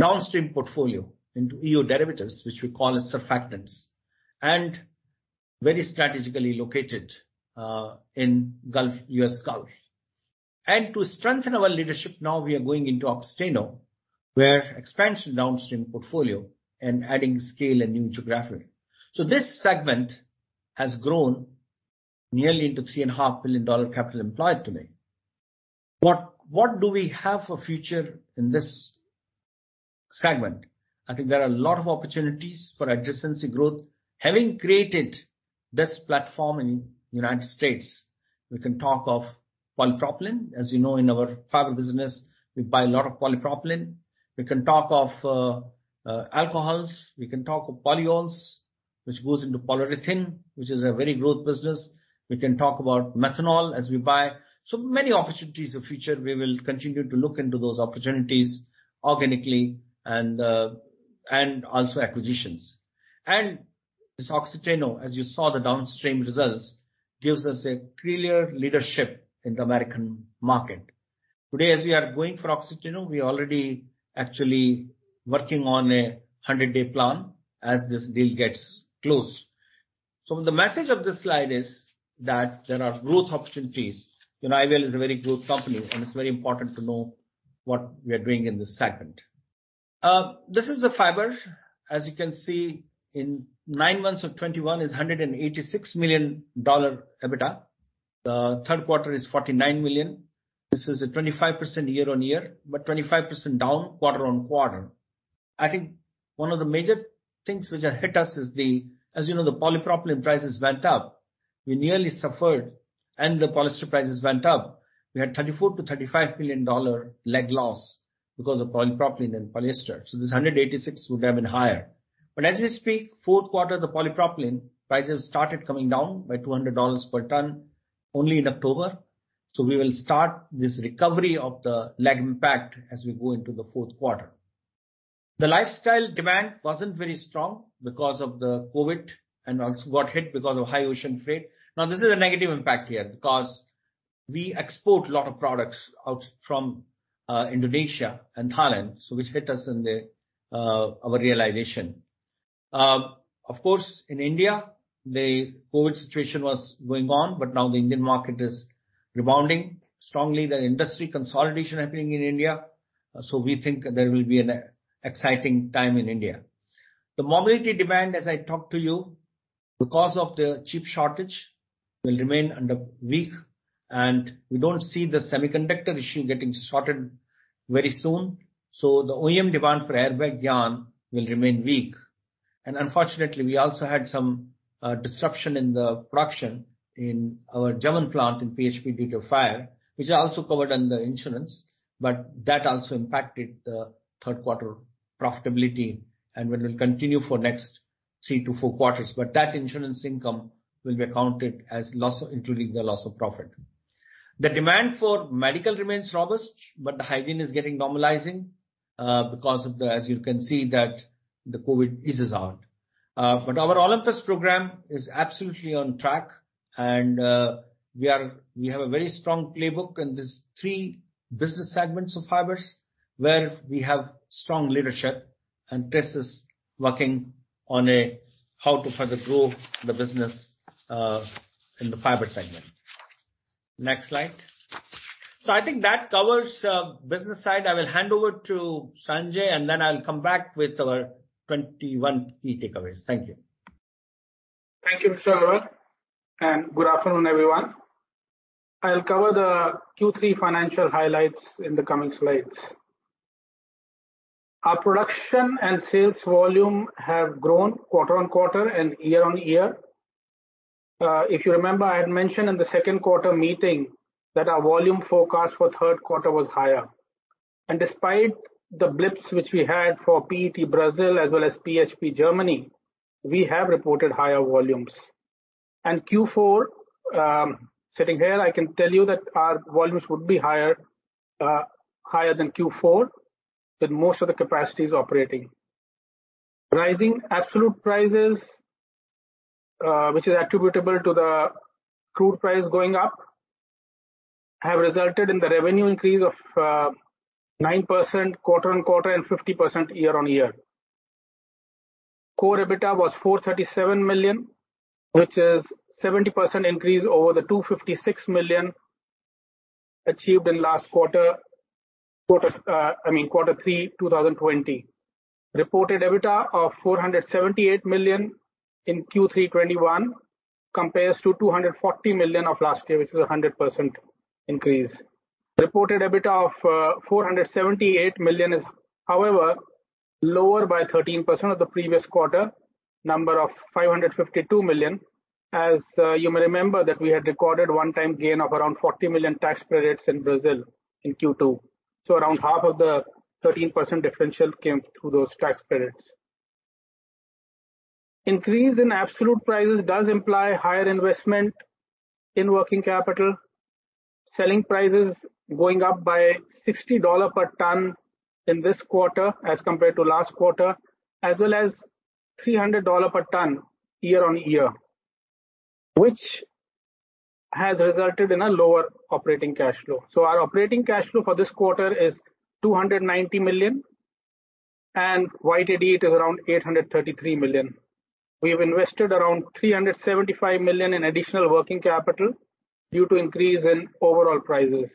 downstream portfolio into EO derivatives, which we call as surfactants, and very strategically located in U.S. Gulf. To strengthen our leadership, now we are going into Oxiteno, where expansion downstream portfolio and adding scale and new geography. This segment has grown nearly into $3.5 billion capital employed today. What do we have for future in this segment? I think there are a lot of opportunities for adjacency growth. Having created this platform in the U.S., we can talk of polypropylene. As you know, in our fiber business, we buy a lot of polypropylene. We can talk of alcohols. We can talk of polyols, which goes into polyurethane, which is a very growth business. We can talk about methanol as we buy. Many opportunities of future. We will continue to look into those opportunities organically and also acquisitions. This Oxiteno, as you saw the downstream results, gives us a clear leadership in the American market. Today, as we are going for Oxiteno, we already actually working on a 100-day plan as this deal gets closed. The message of this slide is that there are growth opportunities. You know, IVL is a very growth company, and it's very important to know what we are doing in this segment. This is the fiber. As you can see in 9 months of 2021 is $186 million EBITDA. The third quarter is $49 million. This is a 25% year-on-year, but 25% down quarter-on-quarter. I think one of the major things which have hit us is, as you know, the polypropylene prices went up. We nearly suffered, and the polyester prices went up. We had $34 million-$35 million lag loss because of polypropylene and polyester. This $186 million would have been higher. As we speak, fourth quarter, the polypropylene prices started coming down by $200 per ton only in October, we will start this recovery of the lag impact as we go into the fourth quarter. The lifestyle demand wasn't very strong because of the COVID and also got hit because of high ocean freight. This is a negative impact here because we export a lot of products out from Indonesia and Thailand, which hit us in the our realization. Of course, in India, the COVID situation was going on, but now the Indian market is rebounding strongly. There are industry consolidation happening in India, we think there will be an exciting time in India. The mobility demand, as I talked to you, because of the chip shortage, will remain under weak. We don't see the semiconductor issue getting sorted very soon. The OEM demand for airbag yarn will remain weak. Unfortunately, we also had some disruption in the production in our German plant in PHP due to fire, which are also covered under insurance, but that also impacted the third quarter profitability and will continue for next three to four quarters. That insurance income will be accounted as loss, including the loss of profit. The demand for medical remains robust, but the hygiene is getting normalizing as you can see that the COVID eases out. But our Olympus program is absolutely on track and we have a very strong playbook in these three business segments of fibers where we have strong leadership and Tess is working on how to further grow the business in the fiber segment. Next slide. I think that covers business side. I will hand over to Sanjay, and then I'll come back with our 2021 key takeaways. Thank you. Thank you, Mr. Agarwal. Good afternoon, everyone. I'll cover the Q3 financial highlights in the coming slides. Our production and sales volume have grown quarter-on-quarter and year-on-year. If you remember, I had mentioned in the second quarter meeting that our volume forecast for third quarter was higher. Despite the blips which we had for PET Brazil as well as PHP Germany, we have reported higher volumes. Q4, sitting here, I can tell that our volumes would be higher than Q4, but most of the capacity is operating. Rising absolute prices, which is attributable to the crude price going up, have resulted in the revenue increase of 9% quarter-on-quarter and 50% year-on-year. Core EBITDA was $437 million, which is 70% increase over the $256 million achieved in last quarter. Quarter, I mean, quarter 3 2020. Reported EBITDA of $478 million in Q3 2021 compares to $240 million of last year, which is a 100% increase. Reported EBITDA of $478 million is, however, lower by 13% of the previous quarter, number of $552 million, as you may remember that we had recorded one-time gain of around $40 million tax credits in Brazil in Q2. Around half of the 13% differential came through those tax credits. Increase in absolute prices does imply higher investment in working capital. Selling prices going up by $60 per ton in this quarter as compared to last quarter, as well as $300 per ton year-on-year, which has resulted in a lower operating cash flow. Our operating cash flow for this quarter is $290 million and YTD it is around $833 million. We have invested around $375 million in additional working capital due to increase in overall prices.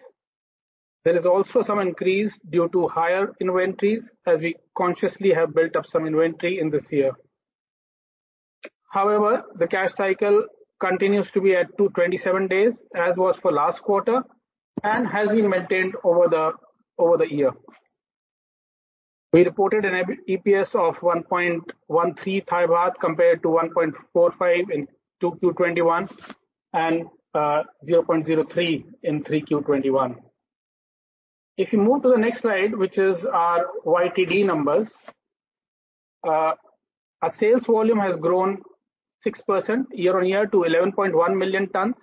There is also some increase due to higher inventories as we consciously have built up some inventory in this year. However, the cash cycle continues to be at 227 days as was for last quarter and has been maintained over the year. We reported an EP-EPS of 1.13 baht compared to 1.45 THB in 2Q 2021 and 0.03 THB in 3Q 2021. If you move to the next slide, which is our YTD numbers. Our sales volume has grown 6% year-on-year to 11.1 million tons.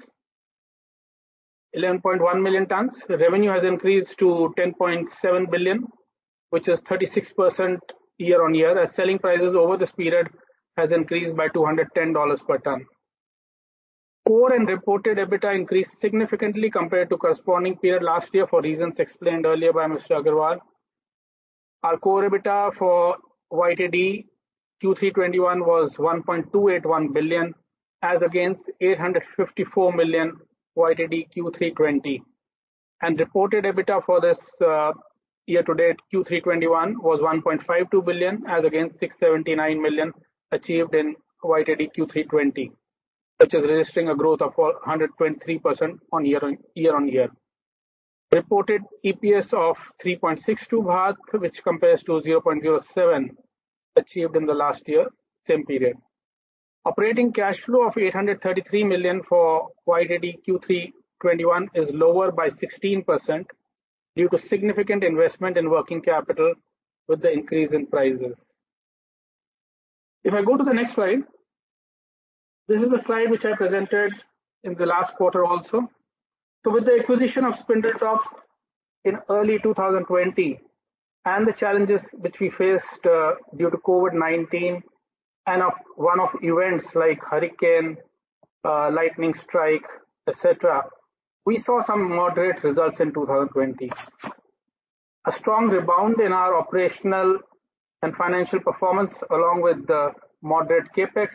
11.1 million tons. Revenue has increased to $10.7 billion, which is 36% year-on-year as selling prices over this period has increased by $210 per ton. Core and reported EBITDA increased significantly compared to corresponding period last year for reasons explained earlier by Mr. Agarwal. Our core EBITDA for YTD Q3 2021 was $1.281 billion as against $854 million YTD Q3 2020. Reported EBITDA for this year to date Q3 2021 was $1.52 billion as against $679 million achieved in YTD Q3 2020, which is registering a growth of 100.3% year on year. Reported EPS of 3.62, which compares to 0.07 achieved in the last year, same period. Operating cash flow of $833 million for YTD Q3 2021 is lower by 16% due to significant investment in working capital with the increase in prices. If I go to the next slide. This is the slide which I presented in the last quarter also. With the acquisition of Spindletop in early 2020, and the challenges which we faced due to COVID-19 and of one-off events like hurricane, lightning strike, et cetera, we saw some moderate results in 2020. A strong rebound in our operational and financial performance, along with the moderate CapEx,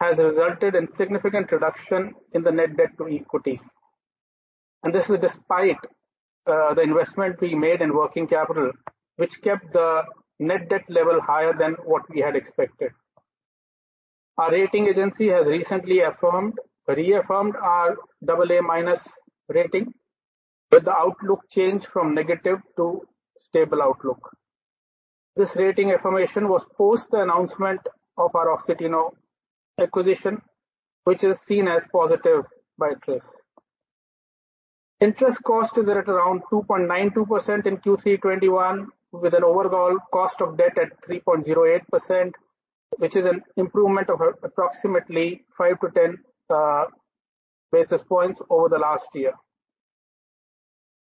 has resulted in significant reduction in the net debt to equity. This is despite the investment we made in working capital, which kept the net debt level higher than what we had expected. Our rating agency has recently reaffirmed our AA- rating, with the outlook changed from negative to stable. This rating affirmation was post the announcement of our Oxiteno acquisition, which is seen as positive by TRIS. Interest cost is at around 2.92% in Q3 2021, with an overall cost of debt at 3.08%, which is an improvement of approximately 5-10 basis points over the last year.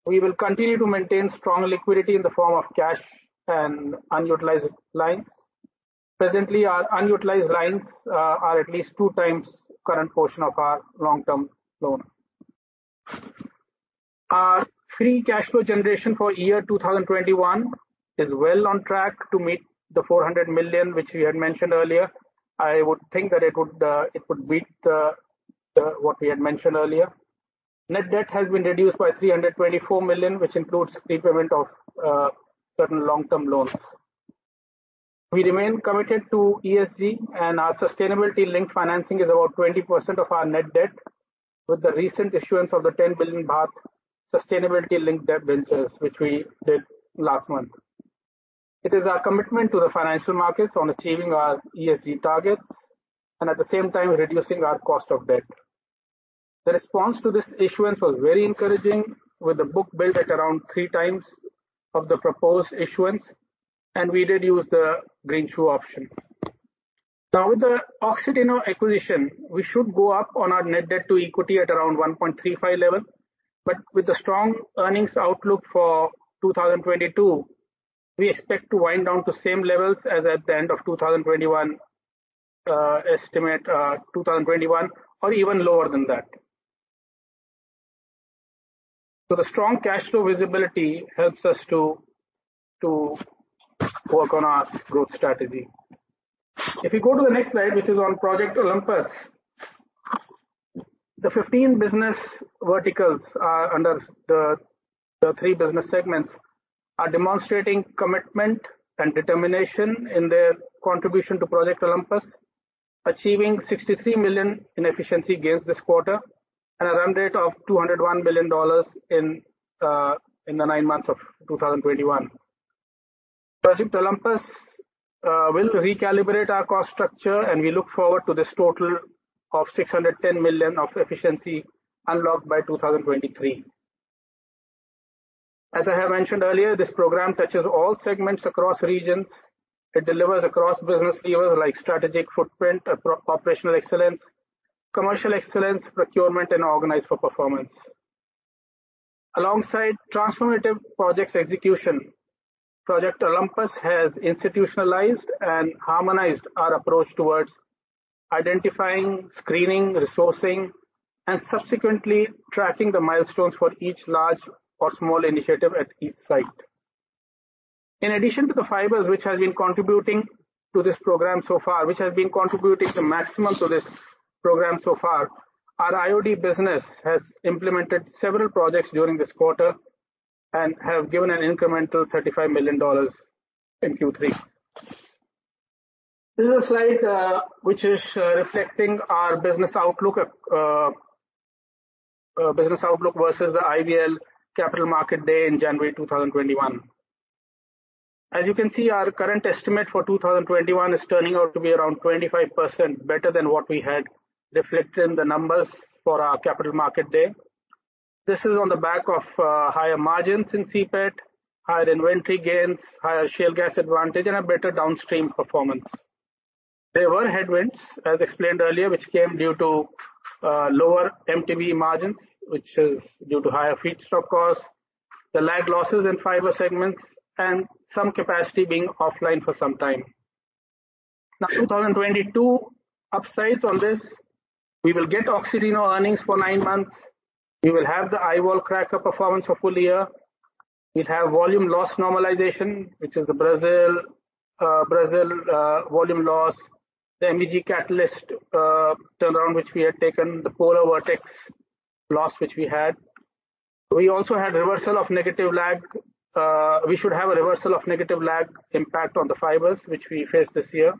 We will continue to maintain strong liquidity in the form of cash and unutilized lines. Presently, our unutilized lines are at least 2x current portion of our long-term loan. Our free cash flow generation for year 2021 is well on track to meet the $400 million which we had mentioned earlier. I would think that it would beat the what we had mentioned earlier. Net debt has been reduced by $324 million, which includes prepayment of certain long-term loans. We remain committed to ESG and our sustainability-linked financing is about 20% of our net debt with the recent issuance of the 10 billion baht sustainability-linked debentures, which we did last month. It is our commitment to the financial markets on achieving our ESG targets and at the same time reducing our cost of debt. The response to this issuance was very encouraging with the book built at around 3x of the proposed issuance, and we did use the green shoe option. Now with the Oxiteno acquisition, we should go up on our net debt to equity at around 1.35 level. With the strong earnings outlook for 2022, we expect to wind down to same levels as at the end of 2021 or even lower than that. The strong cash flow visibility helps us to work on our growth strategy. If you go to the next slide which is on Project Olympus. The 15 business verticals are under the 3 business segments are demonstrating commitment and determination in their contribution to Project Olympus, achieving 63 million in efficiency gains this quarter and a run rate of $201 billion in the 9 months of 2021. Project Olympus will recalibrate our cost structure and we look forward to this total of $610 million of efficiency unlocked by 2023. As I have mentioned earlier, this program touches all segments across regions. It delivers across business levers like strategic footprint, operational excellence, commercial excellence, procurement, and organize for performance. Alongside transformative projects execution, Project Olympus has institutionalized and harmonized our approach towards identifying, screening, resourcing, and subsequently tracking the milestones for each large or small initiative at each site. In addition to the fibers which have been contributing to this program so far, which have been contributing the maximum to this program so far, our IOD business has implemented several projects during this quarter and have given an incremental $35 million in Q3. This is a slide, which is reflecting our business outlook, business outlook versus the IVL Capital Markets Day in January 2021. As you can see, our current estimate for 2021 is turning out to be around 25% better than what we had reflected in the numbers for our Capital Markets Day. This is on the back of higher margins in CPET, higher inventory gains, higher shale gas advantage, and a better downstream performance. There were headwinds, as explained earlier, which came due to lower MTBE margins, which is due to higher feedstock costs, the lag losses in fiber segments, and some capacity being offline for some time. 2022 upsides on this. We will get Oxiteno earnings for 9 months. We will have the IVOL cracker performance for full year. We'll have volume loss normalization, which is the Brazil volume loss, the MEG catalyst turnaround which we had taken, the polar vortex loss which we had. We also had reversal of negative lag. We should have a reversal of negative lag impact on the Fibers, which we faced this year,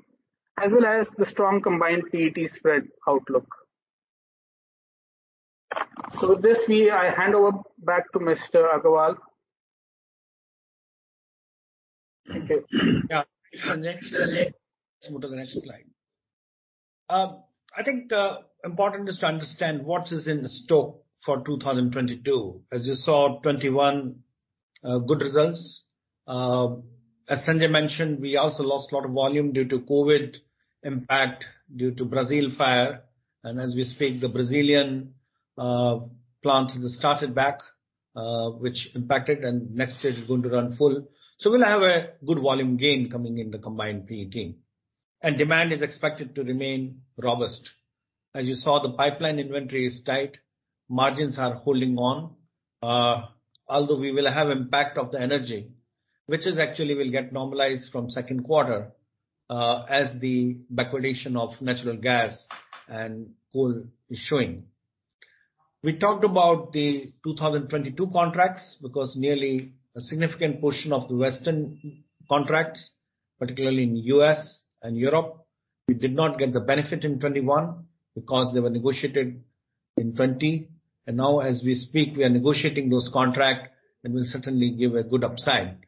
as well as the strong Combined PET spread outlook. With this, I hand over back to Mr. Agarwal. Thank you. Yeah. Next slide. Let's move to the next slide. I think the important is to understand what is in store for 2022. As you saw, 2021, good results. As Sanjay mentioned, we also lost a lot of volume due to COVID impact due to Brazil fire. As we speak, the Brazilian plant has started back, which impacted, and next stage is going to run full. We'll have a good volume gain coming in the Combined PET. Demand is expected to remain robust. As you saw, the pipeline inventory is tight. Margins are holding on. Although we will have impact of the energy, which is actually will get normalized from second quarter, as the backwardation of natural gas and coal is showing. We talked about the 2022 contracts because nearly a significant portion of the Western contracts, particularly in U.S. and Europe, we did not get the benefit in 2021 because they were negotiated in 2020. Now as we speak, we are negotiating those contract, and will certainly give a good upside.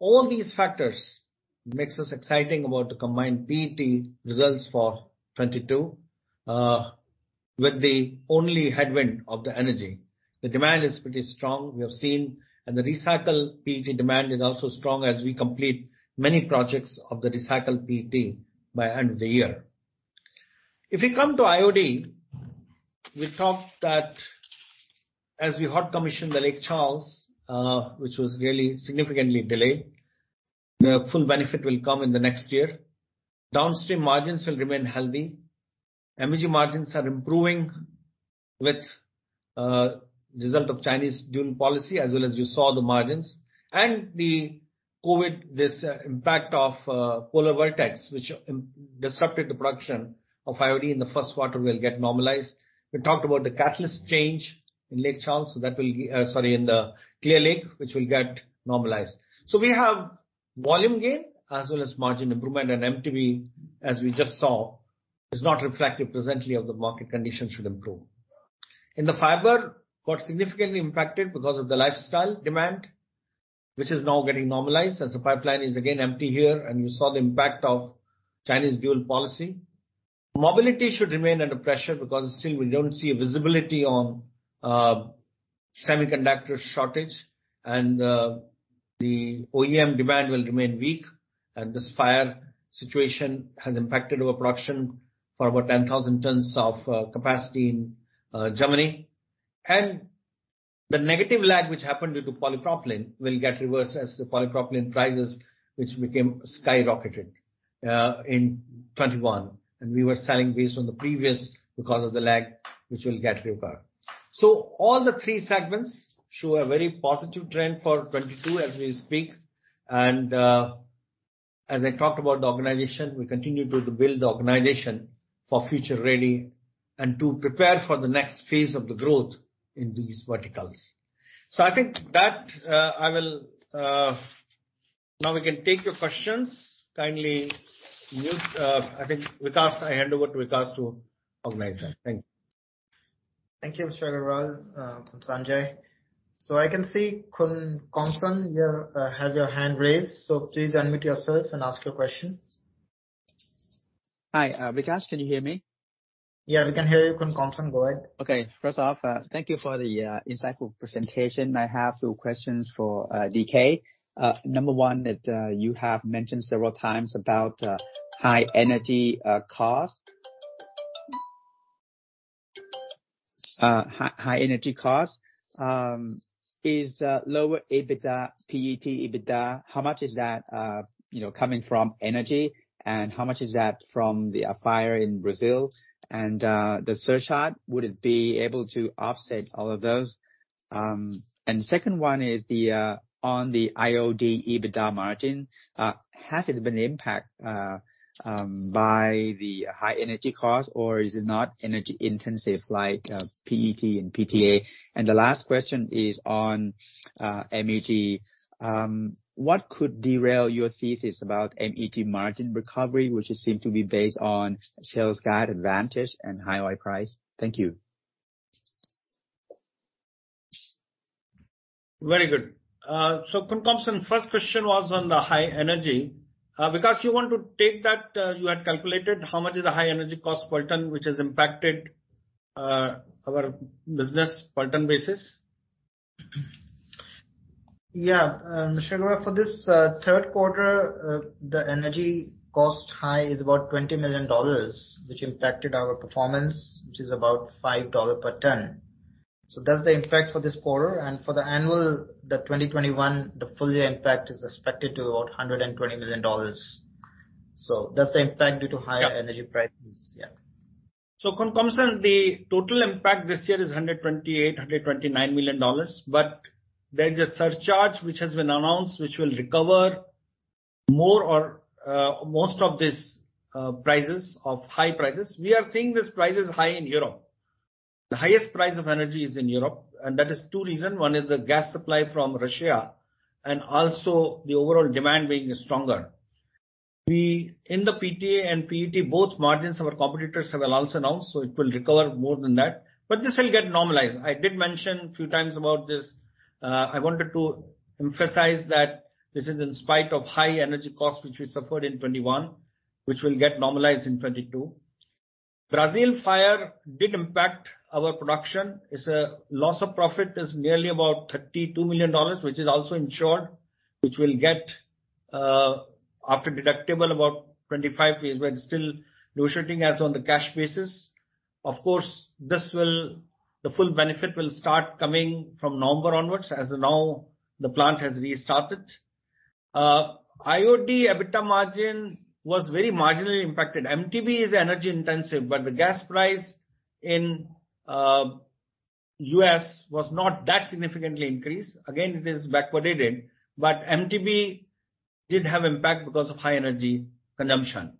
All these factors makes us exciting about the Combined PET results for 2022, with the only headwind of the energy. The demand is pretty strong, we have seen. The recycled PET demand is also strong as we complete many projects of the recycled PET by end of the year. If we come to IOD, we talked that as we hot commissioned the Lake Charles, which was really significantly delayed, the full benefit will come in the next year. Downstream margins will remain healthy. MEG margins are improving with result of Chinese dual policy, as well as you saw the margins. The COVID, this impact of polar vortex, which disrupted the production of IOD in the first quarter, will get normalized. We talked about the catalyst change in Lake Charles, so that will be, sorry, in the Clear Lake, which will get normalized. We have volume gain as well as margin improvement. MTBE, as we just saw, is not reflective presently of the market condition should improve. In the fiber, got significantly impacted because of the lifestyle demand, which is now getting normalized as the pipeline is again empty here, and you saw the impact of Chinese dual policy. Mobility should remain under pressure because still we don't see a visibility on semiconductor shortage and the OEM demand will remain weak. This fire situation has impacted our production for about 10,000 tons of capacity in Germany. The negative lag which happened due to polypropylene will get reversed as the polypropylene prices, which became skyrocketed in 2021. We were selling based on the previous because of the lag, which will get recovered. All the three segments show a very positive trend for 2022 as we speak. As I talked about the organization, we continue to build the organization for future ready and to prepare for the next phase of the growth in these verticals. I think that I will. Now we can take your questions. Kindly mute. I think Vikash, I hand over to Vikash to organize that. Thank you. Thank you, Mr. Agarwal. Thanks, Sanjay. I can see [inaudible] here, have your hand raised, please unmute yourself and ask your questions. Hi, Vikash, can you hear me? Yeah, we can hear you. [inaudible] Go ahead. Okay. First off, thank you for the insightful presentation. I have two questions for DK. Number one that you have mentioned several times about high energy costs. High energy costs. Is lower EBITDA, PET EBITDA, how much is that, you know, coming from energy and how much is that from the fire in Brazil and the surcharge? Would it be able to offset all of those? Second one is the on the IOD EBITDA margin, has it been impacted by the high energy costs or is it not energy intensive like PET and PTA? The last question is on MEG. What could derail your thesis about MEG margin recovery, which is seemed to be based on sales guide advantage and high oil price? Thank you. Very good. So, [inaudible] 1st question was on the high energy. Vikash, you want to take that? You had calculated how much is the high energy cost per ton, which has impacted, our business per ton basis. Mr. Agarwal, for this third quarter, the energy cost high is about $20 million, which impacted our performance, which is about $5 per ton. That's the impact for this quarter. For the annual, the 2021, the full year impact is expected to about $120 million. That's the impact due to higher energy prices. [inaudible] the total impact this year is $128 million, $129 million, but there is a surcharge which has been announced, which will recover more or most of these prices of high prices. We are seeing these prices high in Europe. The highest price of energy is in Europe, and that is two reason. One is the gas supply from Russia and also the overall demand being stronger. In the PTA and PET, both margins our competitors have also announced, so it will recover more than that. This will get normalized. I did mention a few times about this. I wanted to emphasize that this is in spite of high energy costs which we suffered in 2021, which will get normalized in 2022. Brazil fire did impact our production. It's a loss of profit is nearly about $32 million, which is also insured, which we'll get, after deductible, about $25 million. We're still negotiating as on the cash basis. Of course, the full benefit will start coming from November onwards, as now the plant has restarted. IOD EBITDA margin was very marginally impacted. MTBE is energy intensive, but the gas price in U.S. was not that significantly increased. Again, it is backward dated, but MTBE did have impact because of high energy consumption.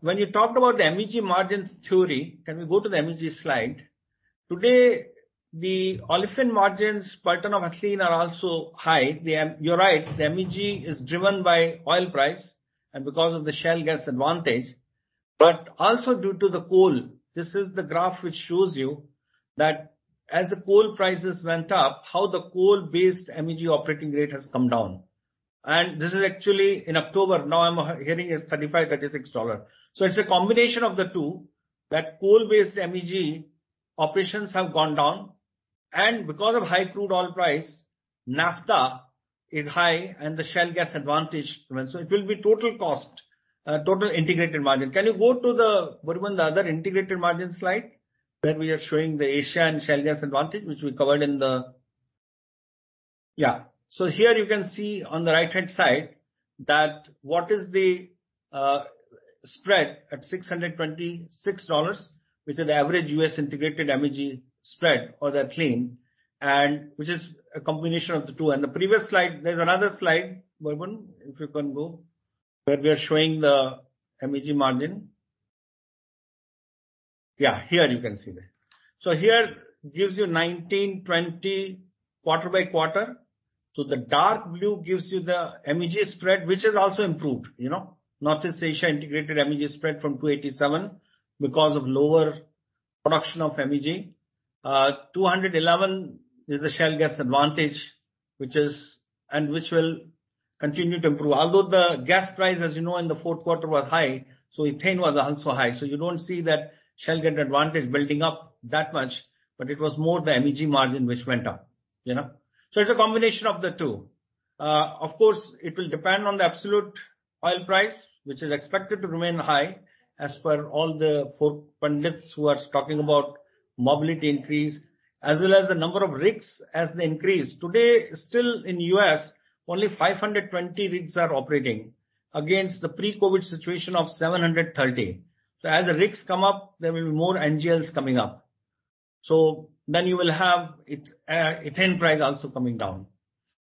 When you talked about the MEG margins theory, can we go to the MEG slide? Today, the olefin margins, per ton of ethylene are also high. You're right, the MEG is driven by oil price and because of the shale gas advantage, but also due to the coal. This is the graph which shows you that as the coal prices went up, how the coal-based MEG operating rate has come down. This is actually in October. Now I'm hearing it's $35-$36. It's a combination of the two, that coal-based MEG operations have gone down, and because of high crude oil price, naphtha is high and the shale gas advantage went. It will be total cost, total integrated margin. Can you go to the, [inaudible] the other integrated margin slide where we are showing the Asia and shale gas advantage, which we covered. Here you can see on the right-hand side that what is the spread at $626, which is the average U.S. integrated MEG spread or the ethylene, and which is a combination of the two. The previous slide, there's another slide, [inaudible] if you can go, where we are showing the MEG margin. Yeah, here you can see that. Here gives you 2019-2020 quarter by quarter. The dark blue gives you the MEG spread, which has also improved, you know. Not just Asia integrated MEG spread from 287 because of lower production of MEG. 211 is the shale gas advantage, which will continue to improve. Although the gas price, as you know, in the fourth quarter was high, so ethane was also high. You don't see that shale gas advantage building up that much, but it was more the MEG margin which went up, you know. It's a combination of the two. Of course, it will depend on the absolute oil price, which is expected to remain high as per all the fore pundits who are talking about mobility increase, as well as the number of rigs as they increase. Today, still in U.S., only 520 rigs are operating against the pre-COVID situation of 730. As the rigs come up, there will be more NGLs coming up. You will have ethane price also coming down.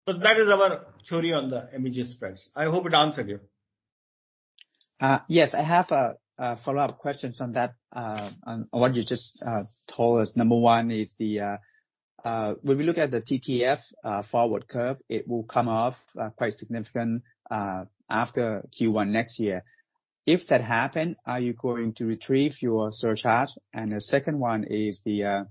That is our theory on the MEG spreads. I hope it answered you. Yes, I have a follow-up questions on that, on what you just told us. Number one is the when we look at the TTF forward curve, it will come off quite significant after Q1 next year. If that happen, are you going to retrieve your surcharge? The second one is Are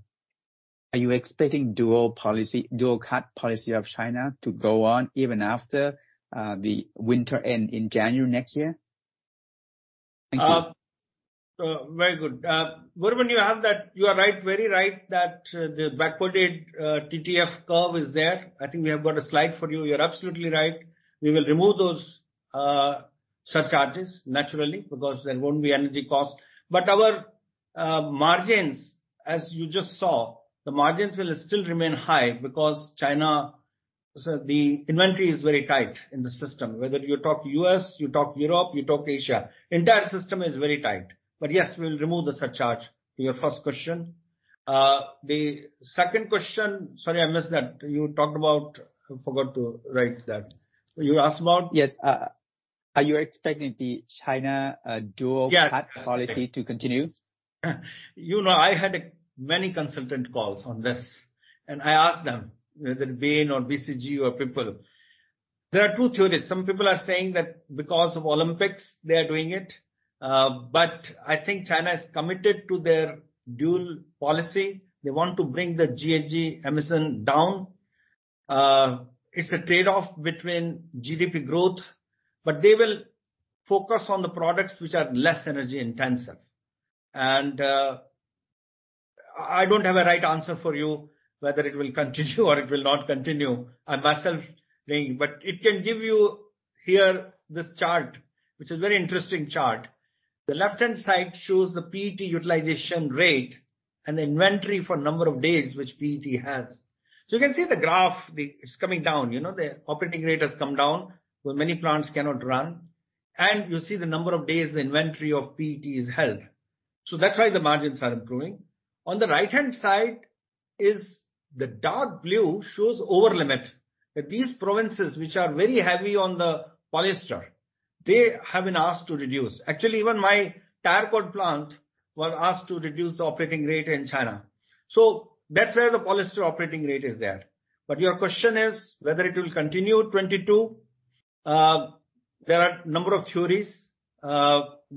you expecting dual control policy of China to go on even after the winter end in January next year? Thank you. Very good. [inaudible] you have that. You are right, very right that the backwardated TTF curve is there. I think we have got a slide for you. You're absolutely right. We will remove those surcharges naturally, because there won't be energy cost. Our margins, as you just saw, the margins will still remain high because China, the inventory is very tight in the system, whether you talk U.S., you talk Europe, you talk Asia, entire system is very tight. Yes, we'll remove the surcharge, your first question. The second question, sorry, I missed that. You talked about. I forgot to write that. You asked about? Yes. Are you expecting the China- Yes. cut policy to continue? You know, I had many consultant calls on this and I asked them, whether Bain or BCG or people, there are two theories. Some people are saying that because of Olympics they are doing it. I think China is committed to their dual policy. They want to bring the GHG emission down. It's a trade-off between GDP growth, but they will focus on the products which are less energy-intensive. I don't have a right answer for you, whether it will continue or it will not continue. I myself think. It can give you here this chart, which is very interesting chart. The left-hand side shows the PET utilization rate and the inventory for number of days which PET has. You can see the graph. It's coming down. You know, the operating rate has come down, where many plants cannot run. You see the number of days the inventory of PET is held. That's why the margins are improving. On the right-hand side is the dark blue shows over limit. That these provinces which are very heavy on the polyester, they have been asked to reduce. Actually, even my tire cord plant were asked to reduce the operating rate in China. That's where the polyester operating rate is there. Your question is, whether it will continue 22. There are a number of theories. It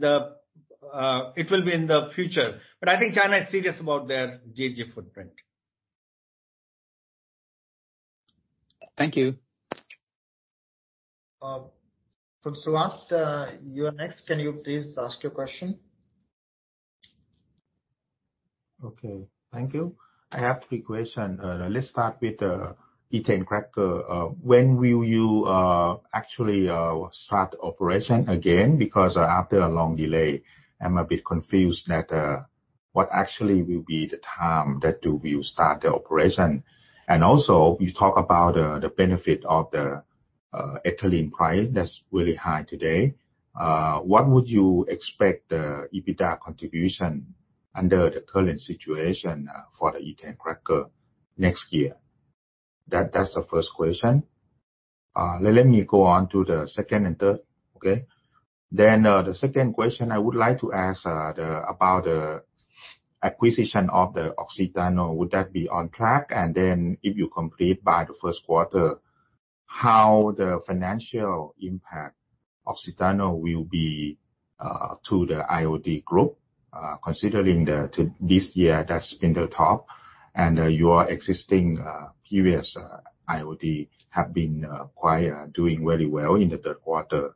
will be in the future, but I think China is serious about their GHG footprint. Thank you. Suwat, you're next. Can you please ask your question? Okay, thank you. I have three question. Let's start with the ethane cracker. When will you, actually, start operation again? Because, after a long delay, I'm a bit confused that, what actually will be the time that you will start the operation. Also, you talk about, the benefit of the, ethylene price that's really high today. What would you expect, EBITDA contribution under the current situation, for the ethane cracker next year? That's the first question. Let me go on to the second and third. Okay? The second question I would like to ask, the, about the acquisition of the Oxiteno. Would that be on track? If you complete by the first quarter, how the financial impact Oxiteno will be, to the IOD group, considering the this year that's been the top and your existing, previous, IOD have been, quite, doing very well in the third quarter.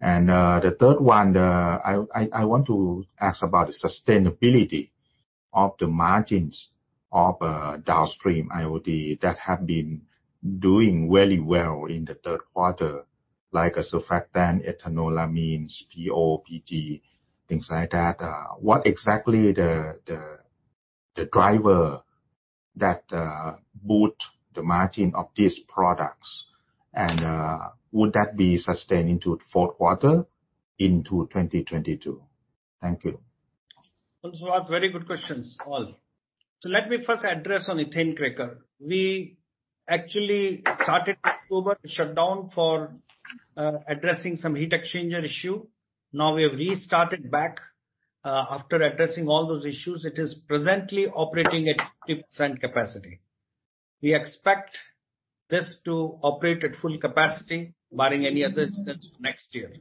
The third one, I want to ask about the sustainability of the margins of, downstream IOD that have been doing very well in the third quarter, like a surfactant, ethanolamines, PO, PG, things like that. What exactly the driver that boost the margin of these products and would that be sustained into the fourth quarter into 2022? Thank you. Well, Suwat, very good questions, all. Let me first address on ethane cracker. We actually started October shutdown for addressing some heat exchanger issue. Now we have restarted back after addressing all those issues. It is presently operating at 50% capacity. We expect this to operate at full capacity barring any other incidents next year.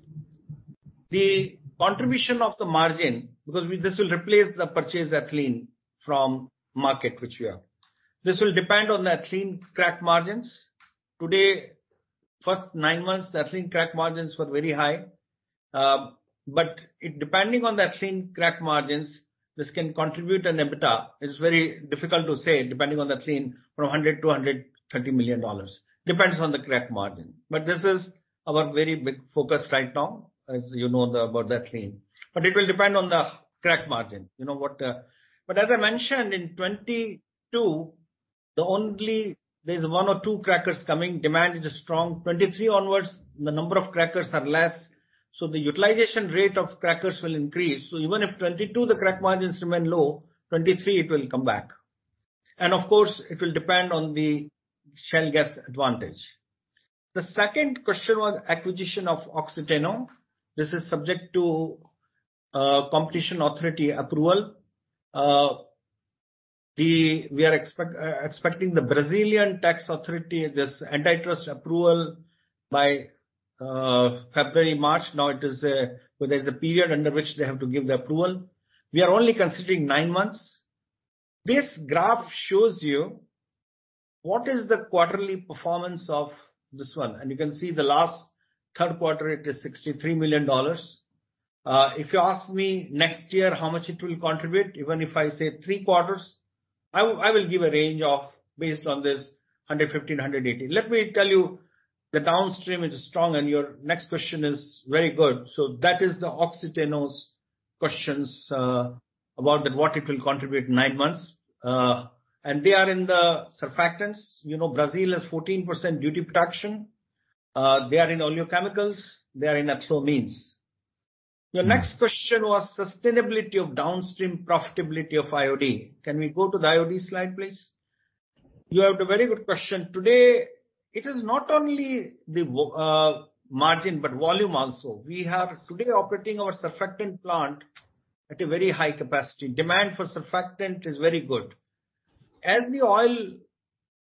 The contribution of the margin, this will replace the purchased ethylene from market which we have. This will depend on the ethylene crack margins. Today, first nine months, the ethylene crack margins were very high. It depending on the ethylene crack margins, this can contribute an EBITDA. It's very difficult to say depending on the ethylene from $100 million-$130 million. Depends on the crack margin. This is our very big focus right now, as you know about the ethylene. It will depend on the crack margin. You know what, as I mentioned, in 22, there's 1 or 2 crackers coming. Demand is strong. 23 onwards, the number of crackers are less, so the utilization rate of crackers will increase. Even if 22 the crack margins remain low, 23 it will come back. Of course it will depend on the shale gas advantage. The second question was acquisition of Oxiteno. This is subject to competition authority approval. We are expecting the Brazilian tax authority, February, March, now it is. There's a period under which they have to give the approval. We are only considering 9 months. This graph shows you what is the quarterly performance of this one. You can see the last third quarter, it is $63 million. If you ask me next year how much it will contribute, even if I say three quarters, I will give a range of, based on this, 115, 118. Let me tell you, the downstream is strong and your next question is very good. That is the Oxiteno questions, about that what it will contribute in 9 months. They are in the surfactants. You know, Brazil has 14% duty protection. They are in oleochemicals, they are in ethanolamines. The next question was sustainability of downstream profitability of IOD. Can we go to the IOD slide, please? You have a very good question. Today, it is not only the margin, but volume also. We are today operating our surfactant plant at a very high capacity. Demand for surfactant is very good. As the oil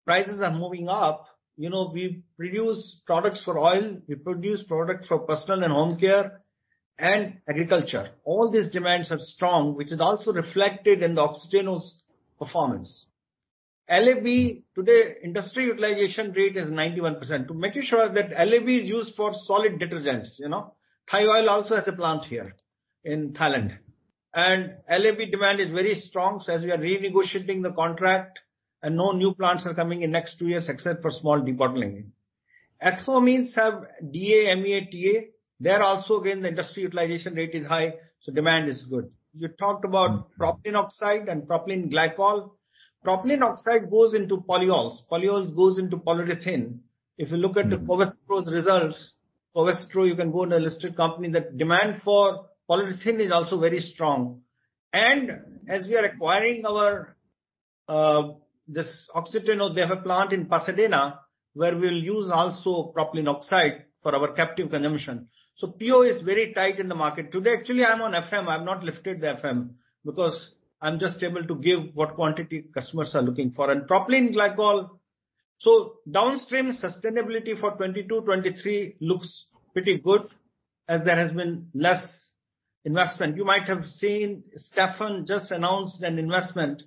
prices are moving up, you know, we produce products for oil, we produce products for personal and home care, and agriculture. All these demands are strong, which is also reflected in the Oxiteno's performance. LAB today, industry utilization rate is 91%. To make sure that LAB is used for solid detergents, you know. Thai Oil also has a plant here in Thailand. LAB demand is very strong as we are renegotiating the contract and no new plants are coming in next two years except for small debottlenecking. Ethanolamines have DEA, MEA, TEA. There also, again, the industry utilization rate is high, so demand is good. You talked about propylene oxide and propylene glycol. Propylene oxide goes into polyols. Polyols goes into polyurethane. If you look at Covestro's results. Covestro, you can go on a listed company, the demand for polyurethane is also very strong. As we are acquiring our, this Oxiteno, they have a plant in Pasadena where we'll use also propylene oxide for our captive consumption. PO is very tight in the market. Today, actually, I'm on FM. I've not lifted the FM because I'm just able to give what quantity customers are looking for. Downstream sustainability for 2022, 2023 looks pretty good as there has been less investment. You might have seen Stepan just announced an investment,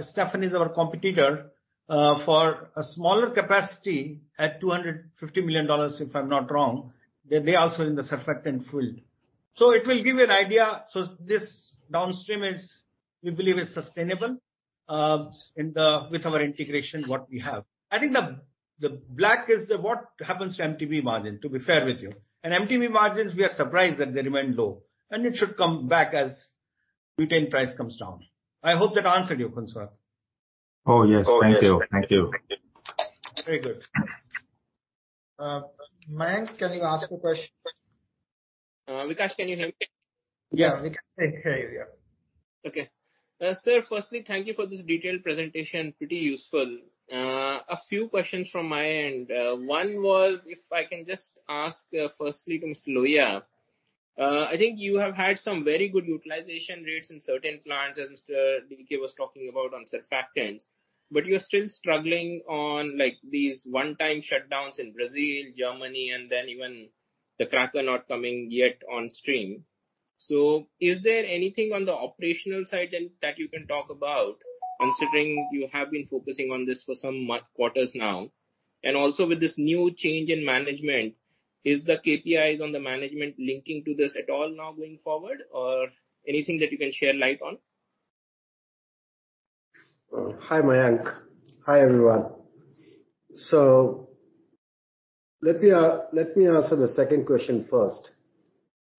Stepan is our competitor, for a smaller capacity at $250 million, if I'm not wrong. They also in the surfactant field. It will give you an idea. This downstream is, we believe is sustainable with our integration, what we have. I think the black is what happens to MTBE margin, to be fair with you. MTBE margins, we are surprised that they remain low and it should come back as butane price comes down. I hope that answered you, Sumedh. Oh, yes. Thank you. Thank you. Very good. Mayank, can you ask a question? Vikash, can you hear me? Yeah, we can hear you. Yeah. Okay. Sir, firstly, thank you for this detailed presentation. Pretty useful. A few questions from my end. One was, if I can just ask, firstly to Mr. Lohia. I think you have had some very good utilization rates in certain plants as Mr. DK was talking about on surfactants, but you're still struggling on, like, these one-time shutdowns in Brazil, Germany, and then even the cracker not coming yet on stream. Is there anything on the operational side that you can talk about considering you have been focusing on this for some quarters now? Also with this new change in management, is the KPIs on the management linking to this at all now going forward or anything that you can share light on? Hi, Mayank. Hi, everyone. Let me answer the second question first.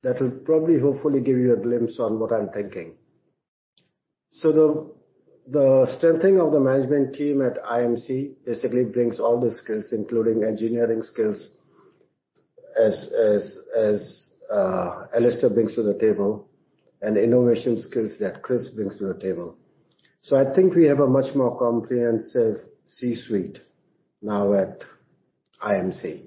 That will probably, hopefully give you a glimpse on what I'm thinking. The strengthening of the management team at IMC basically brings all the skills, including engineering skills as Alastair Port brings to the table, and innovation skills that Chris Kenneally brings to the table. I think we have a much more comprehensive C-suite now at IMC.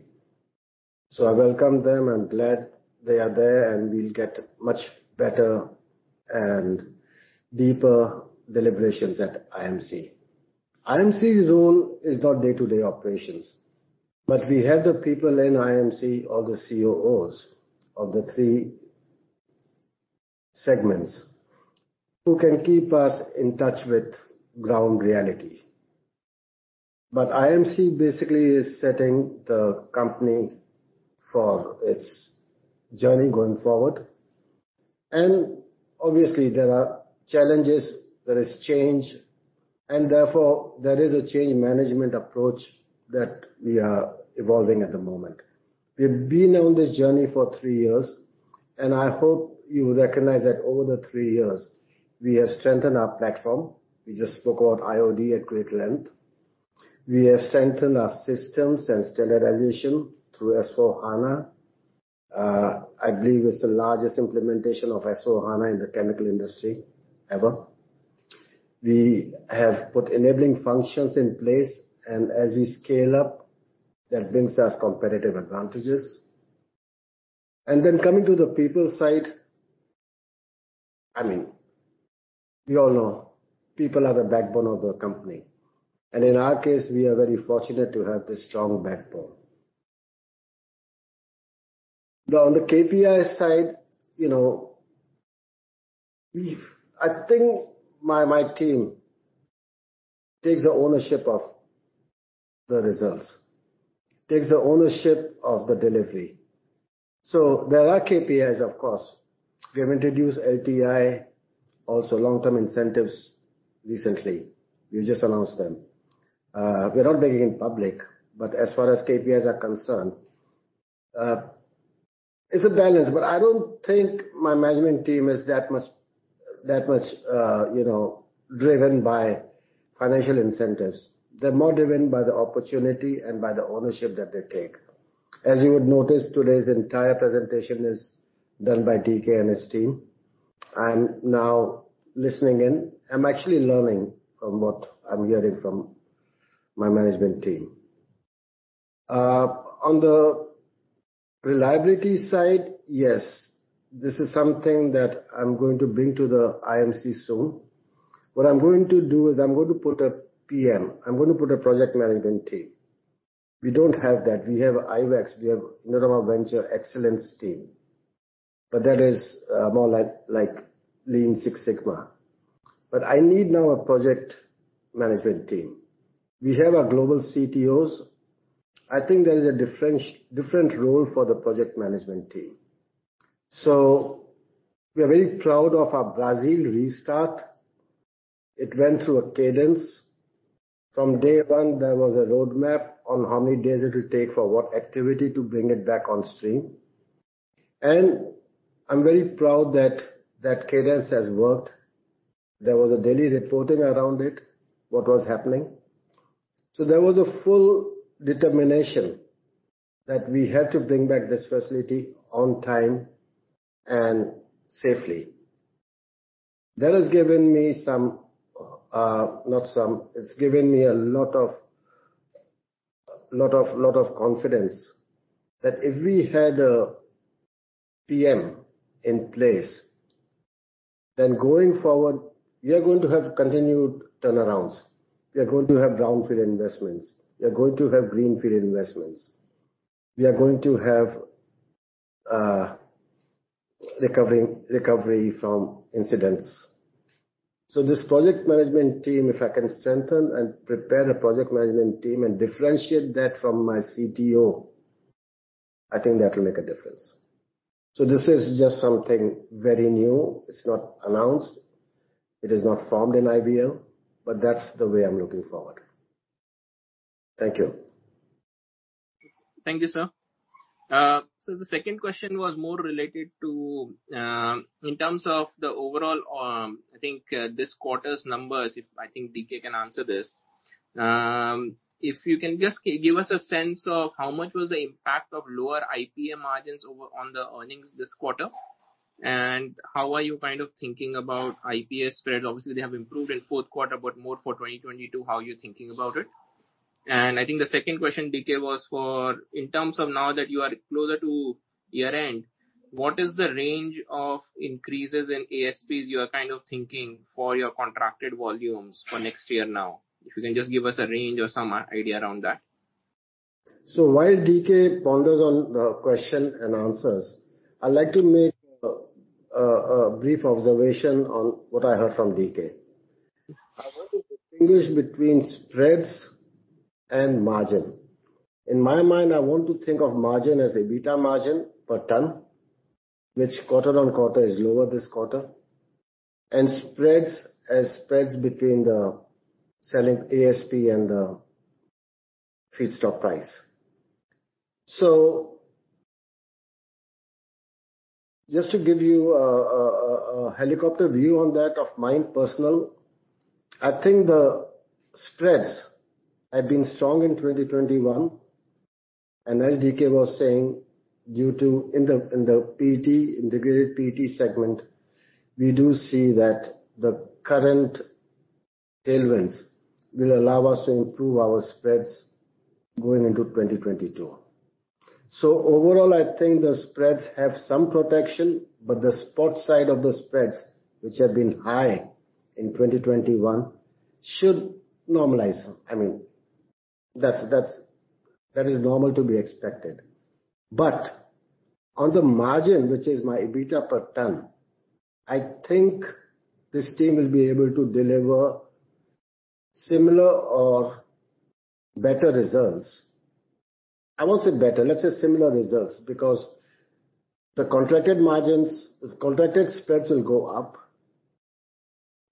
I welcome them. I'm glad they are there, and we'll get much better and deeper deliberations at IMC. IMC's role is not day-to-day operations, but we have the people in IMC, all the COOs of the three segments who can keep us in touch with ground reality. IMC basically is setting the company for its journey going forward. Obviously, there are challenges, there is change, and therefore, there is a change in management approach that we are evolving at the moment. We've been on this journey for 3 years, and I hope you recognize that over the 3 years we have strengthened our platform. We just spoke about IOD at great length. We have strengthened our systems and standardization through S/4HANA. I believe it's the largest implementation of S/4HANA in the chemical industry ever. We have put enabling functions in place, and as we scale up, that brings us competitive advantages. Then coming to the people side. I mean, we all know people are the backbone of the company, and in our case, we are very fortunate to have this strong backbone. On the KPI side, you know, I think my team takes the ownership of the results. Takes the ownership of the delivery. There are KPIs, of course. We have introduced LTI, also long-term incentives recently. We just announced them. We're not making it public, but as far as KPIs are concerned, it's a balance, but I don't think my management team is that much, you know, driven by financial incentives. They're more driven by the opportunity and by the ownership that they take. As you would notice, today's entire presentation is done by DK and his team. I'm now listening in. I'm actually learning from what I'm hearing from my management team. On the reliability side, yes. This is something that I'm going to bring to the IMC soon. What I'm going to do is I'm going to put a PM. I'm going to put a project management team. We don't have that. We have IVEX. We have Indorama Ventures Excellence team. That is more like Lean Six Sigma. I need now a project management team. We have our global CTOs. I think there is a different role for the project management team. We are very proud of our Brazil restart. It went through a cadence. From day one, there was a roadmap on how many days it will take for what activity to bring it back on stream. I'm very proud that that cadence has worked. There was a daily reporting around it, what was happening. There was a full determination that we had to bring back this facility on time and safely. That has given me some, not some. It's given me a lot of confidence that if we had a PM in place, then going forward, we are going to have continued turnarounds. We are going to have brownfield investments. We are going to have greenfield investments. We are going to have recovery from incidents. This project management team, if I can strengthen and prepare a project management team and differentiate that from my CTO, I think that will make a difference. This is just something very new. It's not announced, it is not formed in IVL, but that's the way I'm looking forward. Thank you. Thank you, sir. The second question was more related to, in terms of the overall, I think, this quarter's numbers. I think DK can answer this. If you can just give us a sense of how much was the impact of lower IPA margins on the earnings this quarter, and how are you kind of thinking about IPA spread? Obviously, they have improved in fourth quarter, but more for 2022, how you're thinking about it. The second question, DK, was for in terms of now that you are closer to year-end, what is the range of increases in ASPs you are kind of thinking for your contracted volumes for next year now? If you can just give us a range or some idea around that. While DK ponders on the question and answers, I'd like to make a brief observation on what I heard from DK. I want to distinguish between spreads and margin. In my mind, I want to think of margin as EBITDA margin per ton, which quarter-on-quarter is lower this quarter, and spreads as spreads between the selling ASP and the feedstock price. Just to give you a helicopter view on that of mine personal, I think the spreads have been strong in 2021. As DK was saying, due to in the PET, integrated PET segment, we do see that the current tailwinds will allow us to improve our spreads going into 2022. Overall, I think the spreads have some protection, but the spot side of the spreads, which have been high in 2021, should normalize. I mean, that's, that is normal to be expected. On the margin, which is my EBITDA per ton, I think this team will be able to deliver similar or better results. I won't say better, let's say similar results, because the contracted margins... The contracted spreads will go up,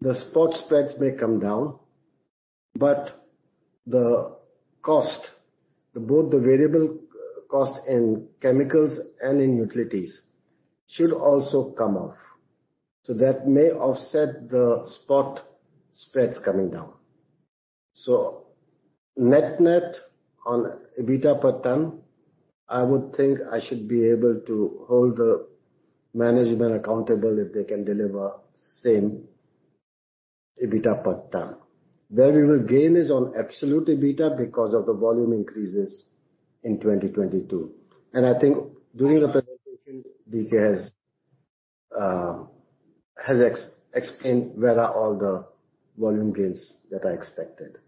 the spot spreads may come down, but both the variable cost in chemicals and in utilities should also come off. That may offset the spot spreads coming down. Net net on EBITDA per ton, I would think I should be able to hold the management accountable if they can deliver same EBITDA per ton. There we will gain is on absolute EBITDA because of the volume increases in 2022. I think during the presentation, DK has explained where are all the volume gains that are expected.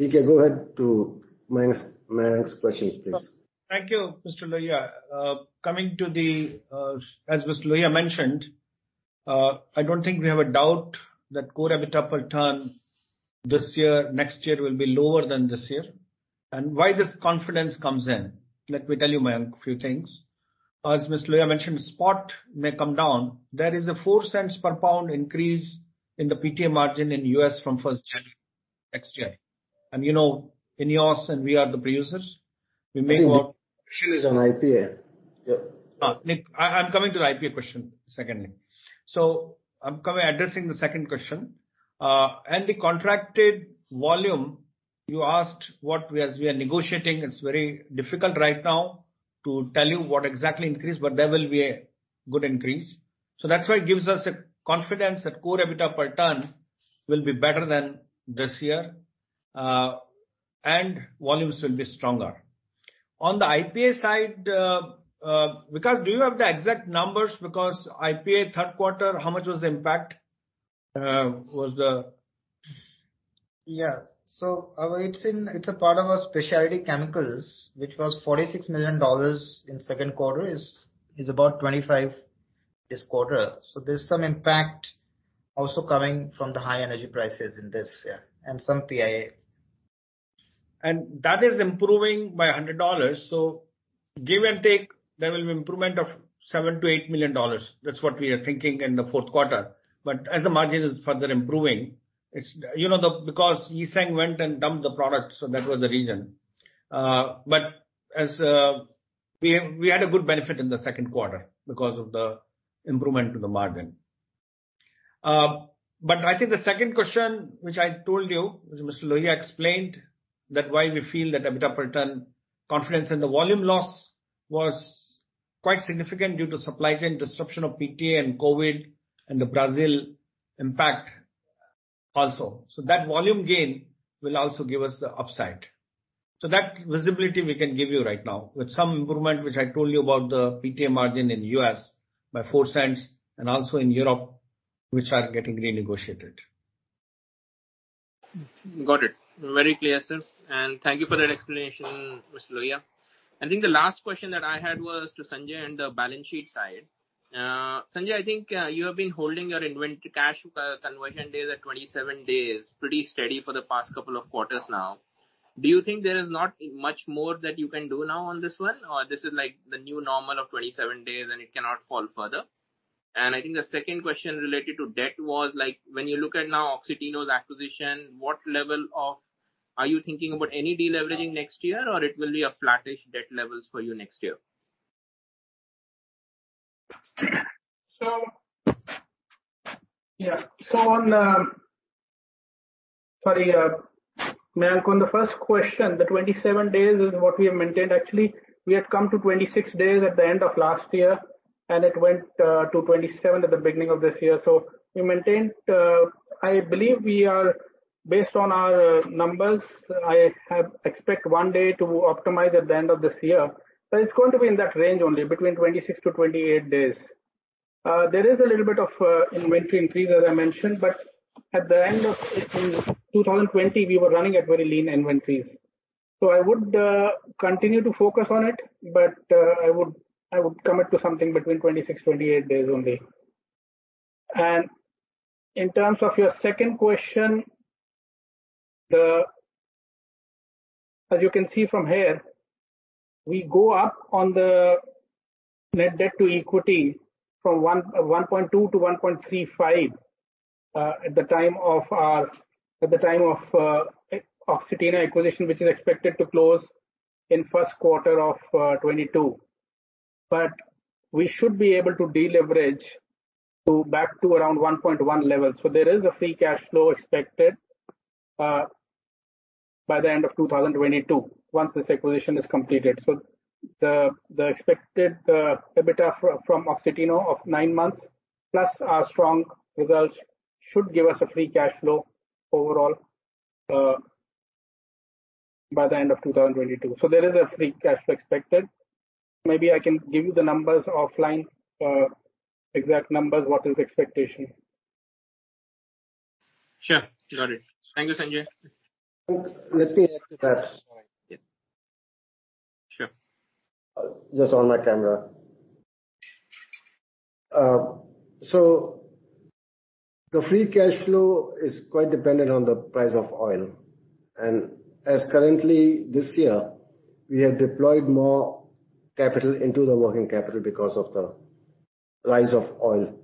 DK, go ahead to Mayank's questions, please. Thank you, Mr. Lohia. coming to the, as Mr. Lohia mentioned, I don't think we have a doubt that core EBITDA per ton this year, next year will be lower than this year. Why this confidence comes in? Let me tell you, Mayank, a few things. As Mr. Lohia mentioned, spot may come down. There is a 4 cents per pound increase in the PTA margin in U.S. from first January next year. you know, INEOS and we are the producers. I think the question is on IPA. Yep. Mayank, I'm coming to the IPA question secondly. I'm coming addressing the second question. The contracted volume, you asked what we are negotiating. It's very difficult right now to tell you what exactly increase, but there will be a good increase. That's why it gives us a confidence that core EBITDA per ton will be better than this year, and volumes will be stronger. On the IPA side, Vikash, do you have the exact numbers because IPA third quarter, how much was the impact? It's a part of our specialty chemicals, which was $46 million in second quarter, is about $25 this quarter. There's some impact also coming from the high energy prices in this year and some IPA. That is improving by $100. Give and take, there will be improvement of $7 million-$8 million. That's what we are thinking in the fourth quarter. As the margin is further improving, you know, because Yizheng went and dumped the product. As we had a good benefit in the second quarter because of the improvement to the margin. I think the second question which I told you, which Mr. Lohia explained, that why we feel that EBITDA per ton confidence in the volume loss was quite significant due to supply chain disruption of PTA and COVID and the Brazil impact also. That volume gain will also give us the upside. That visibility we can give you right now with some improvement, which I told you about the PTA margin in U.S. by $0.04 and also in Europe, which are getting renegotiated. Got it. Very clear, sir. Thank you for that explanation, Mr. Lohia. I think the last question that I had was to Sanjay on the balance sheet side. Sanjay, I think, you have been holding your cash conversion days at 27 days, pretty steady for the past couple of quarters now. Do you think there is not much more that you can do now on this one, or this is like the new normal of 27 days and it cannot fall further? I think the second question related to debt was like, when you look at now Oxiteno's acquisition, are you thinking about any deleveraging next year, or it will be a flattish debt levels for you next year? Yeah. On, sorry, Mayank, on the first question, the 27 days is what we have maintained. Actually, we had come to 26 days at the end of last year, and it went to 27 at the beginning of this year. We maintained, I believe we are, based on our numbers, I have expect 1 day to optimize at the end of this year, but it's going to be in that range only between 26-28 days. There is a little bit of inventory increase, as I mentioned, but at the end of 2020, we were running at very lean inventories. I would continue to focus on it, but I would commit to something between 26-28 days only. In terms of your second question, the You can see from here, we go up on the net debt to equity from 1.2 to 1.35 at the time of our Oxiteno acquisition, which is expected to close in Q1 2022. We should be able to deleverage to back to around 1.1 level. There is a free cash flow expected by the end of 2022, once this acquisition is completed. The expected EBITDA from Oxiteno of 9 months, plus our strong results should give us a free cash flow overall by the end of 2022. There is a free cash flow expected. Maybe I can give you the numbers offline, exact numbers, what is expectation. Sure. Got it. Thank you, Sanjay. Let me add to that as well. Yeah. Sure. Just on my. [inaudible] The free cash flow is quite dependent on the price of oil. As currently this year, we have deployed more capital into the working capital because of the rise of oil.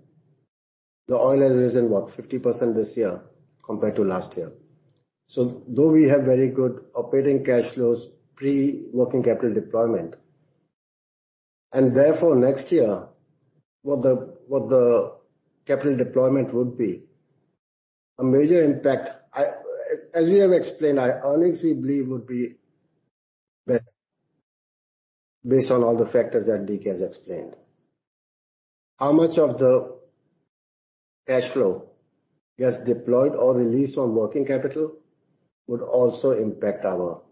The oil has risen, what, 50% this year compared to last year. Though we have very good operating cash flows pre-working capital deployment, therefore next year, what the capital deployment would be, a major impact, as we have explained, our earnings we believe would be better. Based on all the factors that DK has explained. How much of the cash flow gets deployed or released from working capital would also impact our,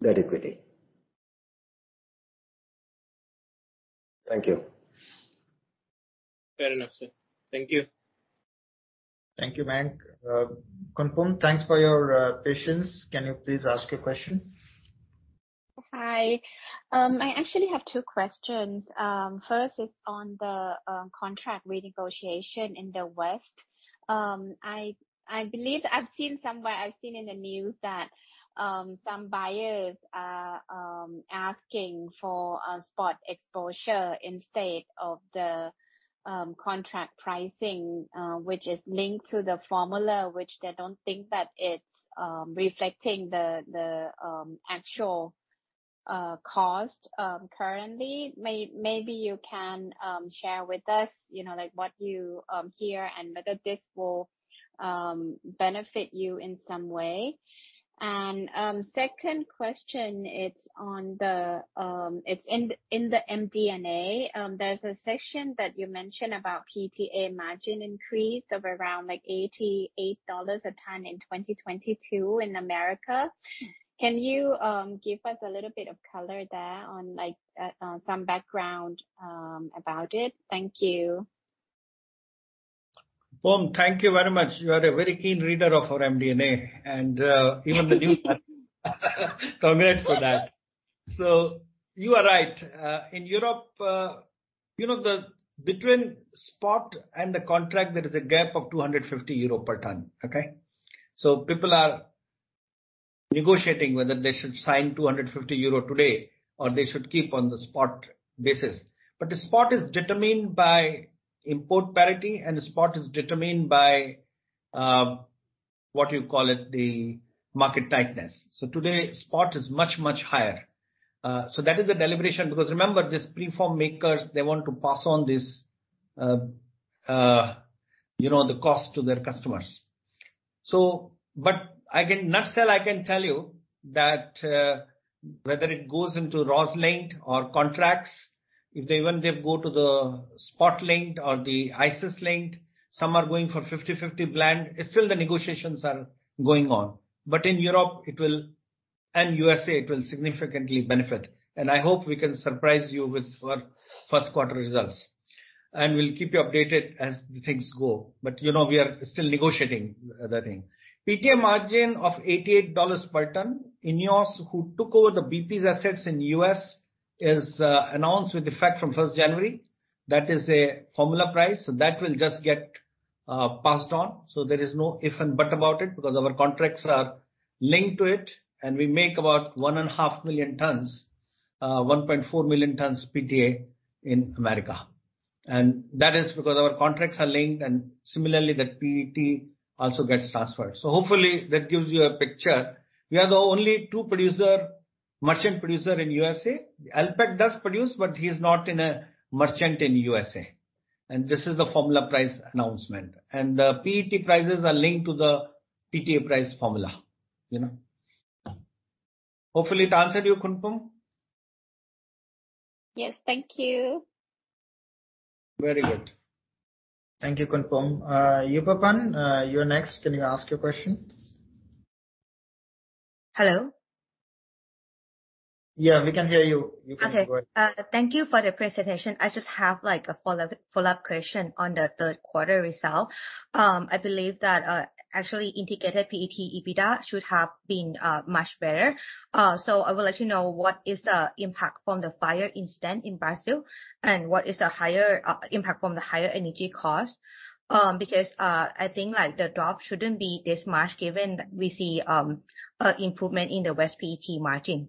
the equity. Thank you. Fair enough, sir. Thank you. Thank you, Mayank. Komsun, thanks for your patience. Can you please ask your question? Hi. I actually have two questions. First is on the contract renegotiation in the West. I believe I've seen somewhere, I've seen in the news that some buyers are asking for spot exposure instead of the contract pricing, which is linked to the formula, which they don't think that it's reflecting the actual cost currently. Maybe you can share with us, you know, like what you hear and whether this will benefit you in some way. Second question, it's in the MD&A, there's a section that you mentioned about PTA margin increase of around like $88 a ton in 2022 in America. Can you give us a little bit of color there on like on some background about it? Thank you. Kom, thank you very much. You are a very keen reader of our MD&A and even the news. Congrats for that. You are right. In Europe, you know, the between spot and the contract there is a gap of 250 euro per ton, Okay. People are negotiating whether they should sign 250 euro today or they should keep on the spot basis. The spot is determined by import parity, and the spot is determined by what you call it, the market tightness. Today spot is much, much higher. That is the deliberation because remember, this preform makers, they want to pass on this, you know, the cost to their customers. Nutshell, I can tell you that, whether it goes into raws linked or contracts, if they even they go to the spot linked or the ICIS linked, some are going for 50/50 blend. Still, the negotiations are going on. In Europe it will, and U.S.A., it will significantly benefit. I hope we can surprise you with our first quarter results. We'll keep you updated as the things go. You know, we are still negotiating that thing. PTA margin of $88 per ton. INEOS, who took over the BP's assets in U.S., is announced with effect from first January. That is a formula price. That will just get passed on. There is no if and but about it, because our contracts are linked to it and we make about 1.5 million tons, 1.4 million tons PTA in America. That is because our contracts are linked, and similarly, that PET also gets transferred. Hopefully that gives you a picture. We are the only two producer, merchant producer in USA. Alpek does produce, but he's not in a merchant in USA. This is the formula price announcement. The PET prices are linked to the PTA price formula, you know. Hopefully it answered you, Komsun. Yes. Thank you. Very good. Thank you, Komsun. Yupapan, you're next. Can you ask your question? Hello. Yeah, we can hear you. You can go ahead. Okay. Thank you for the presentation. I just have, like, a follow-up question on the third quarter result. I believe that actually integrated PET EBITDA should have been much better. I would like to know what is the impact from the fire incident in Brazil and what is the higher impact from the higher energy cost? Because I think, like, the drop shouldn't be this much given we see improvement in the West PET margin.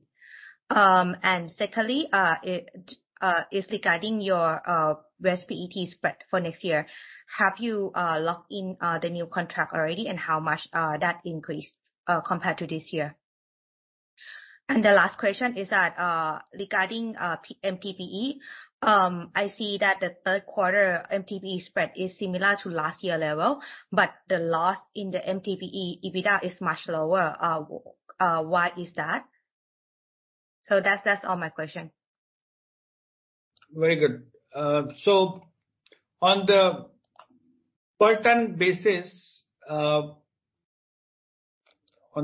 Secondly, it is regarding your West PET spread for next year. Have you locked in the new contract already, and how much that increased compared to this year? The last question is that, regarding, MTBE, I see that the third quarter MTBE spread is similar to last year level, but the loss in the MTBE EBITDA is much lower. Why is that? That's all my question. Very good. On the per ton basis, on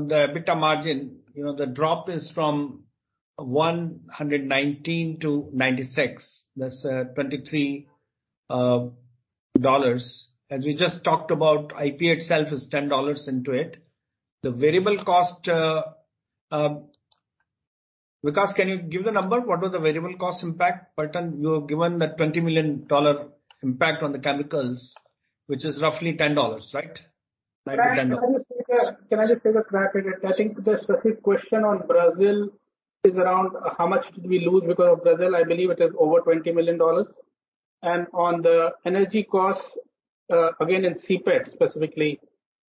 the EBITDA margin, you know, the drop is from 119 to 96. That's $23. As we just talked about, IP itself is $10 into it. The variable cost, Vikash, can you give the number? What was the variable cost impact per ton? You have given that $20 million impact on the chemicals, which is roughly $10, right? Like $10. Can I just take a crack at it? I think the specific question on Brazil is around how much did we lose because of Brazil. I believe it is over $20 million. On the energy costs, again, in CPET specifically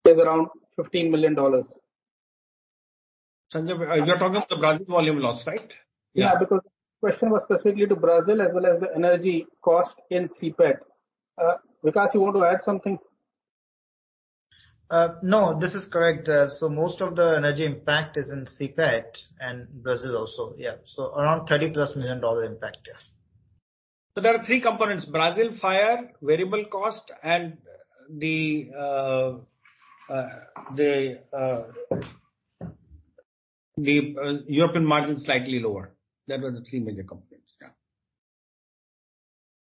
is around $15 million. Sanjay, you're talking about the Brazil volume loss, right? Yeah, because question was specifically to Brazil as well as the energy cost in CPET. Vikash, you want to add something? No, this is correct. Most of the energy impact is in CPET and Brazil also. Yeah. Around $30-plus million impact. Yeah. There are three components: Brazil fire, variable cost and the European margin slightly lower. They were the three major components.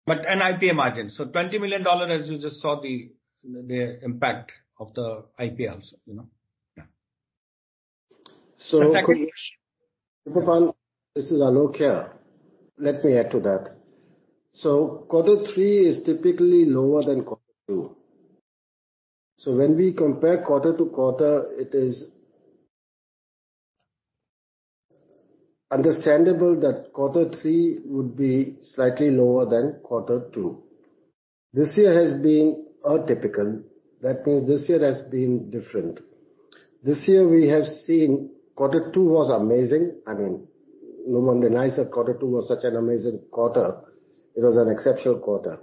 Yeah. IPA margin. $20 million, as you just saw the impact of the IP also, you know. So- The second question. Yupapan, this is Aloke here. Let me add to that. Quarter three is typically lower than quarter two. When we compare quarter-over-quarter, it is understandable that quarter three would be slightly lower than quarter two. This year has been atypical. That means this year has been different. This year we have seen quarter two was amazing. I mean, no one denies that quarter two was such an amazing quarter. It was an exceptional quarter.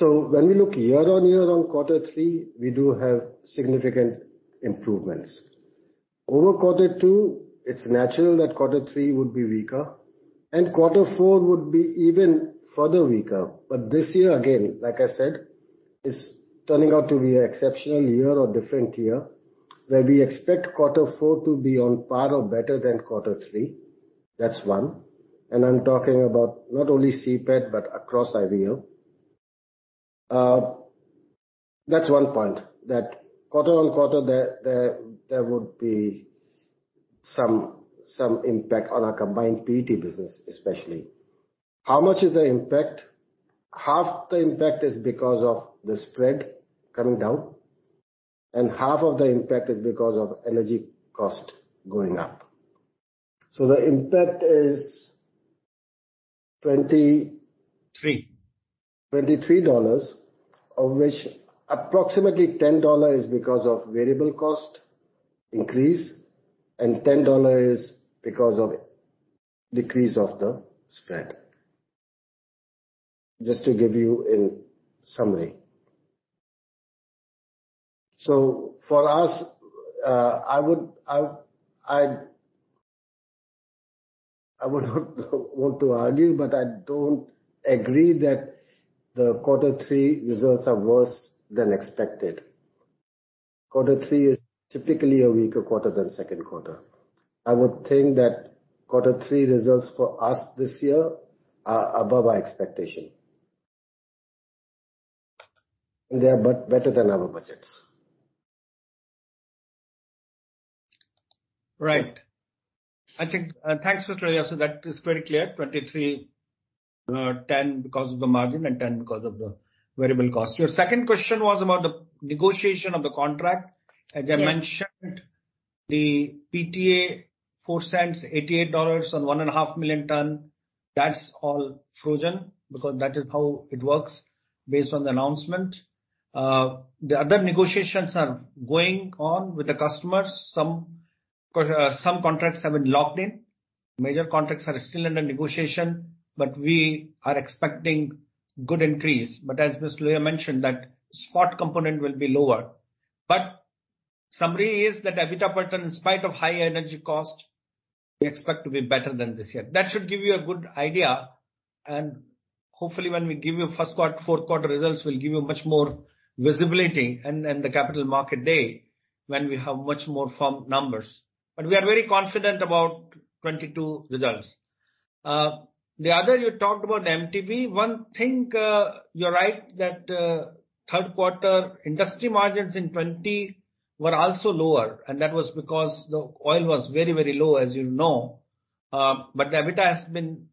When we look year-over-year on quarter three, we do have significant improvements. Over quarter two, it's natural that quarter three would be weaker and quarter four would be even further weaker. This year, again, like I said, it's turning out to be an exceptional year or different year, where we expect quarter four to be on par or better than quarter three. That's one. I'm talking about not only CPET, but across IVL. That's one point. That quarter-on-quarter there would be some impact on our Combined PET business, especially. How much is the impact? Half the impact is because of the spread coming down, and half of the impact is because of energy cost going up. The impact is 20- 3. $23, of which approximately $10 is because of variable cost increase and $10 is because of decrease of the spread. Just to give you in summary. For us, I would want to argue, but I don't agree that the quarter three results are worse than expected. Quarter three is typically a weaker quarter than second quarter. I would think that quarter three results for us this year are above our expectation. They are but better than our budgets. Right. I think, thanks, Mr. Aloke. That is very clear. 23, 10 because of the margin and 10 because of the variable cost. Your second question was about the negotiation of the contract. Yes. As I mentioned, the PTA, $0.04, $88 on 1.5 million tons, that's all frozen because that is how it works based on the announcement. The other negotiations are going on with the customers. Some contracts have been locked in. Major contracts are still under negotiation, we are expecting good increase. As Mr. Aloke Lohia mentioned, that spot component will be lower. Summary is that EBITDA per ton, in spite of high energy cost, we expect to be better than this year. That should give you a good idea, and hopefully when we give you first quarter, fourth quarter results, we'll give you much more visibility and the Capital Markets Day when we have much more firm numbers. We are very confident about 2022 results. You talked about MTBE. One thing, you're right that, third quarter industry margins in 2020 were also lower, and that was because the oil was very, very low, as you know. But the EBITDA has been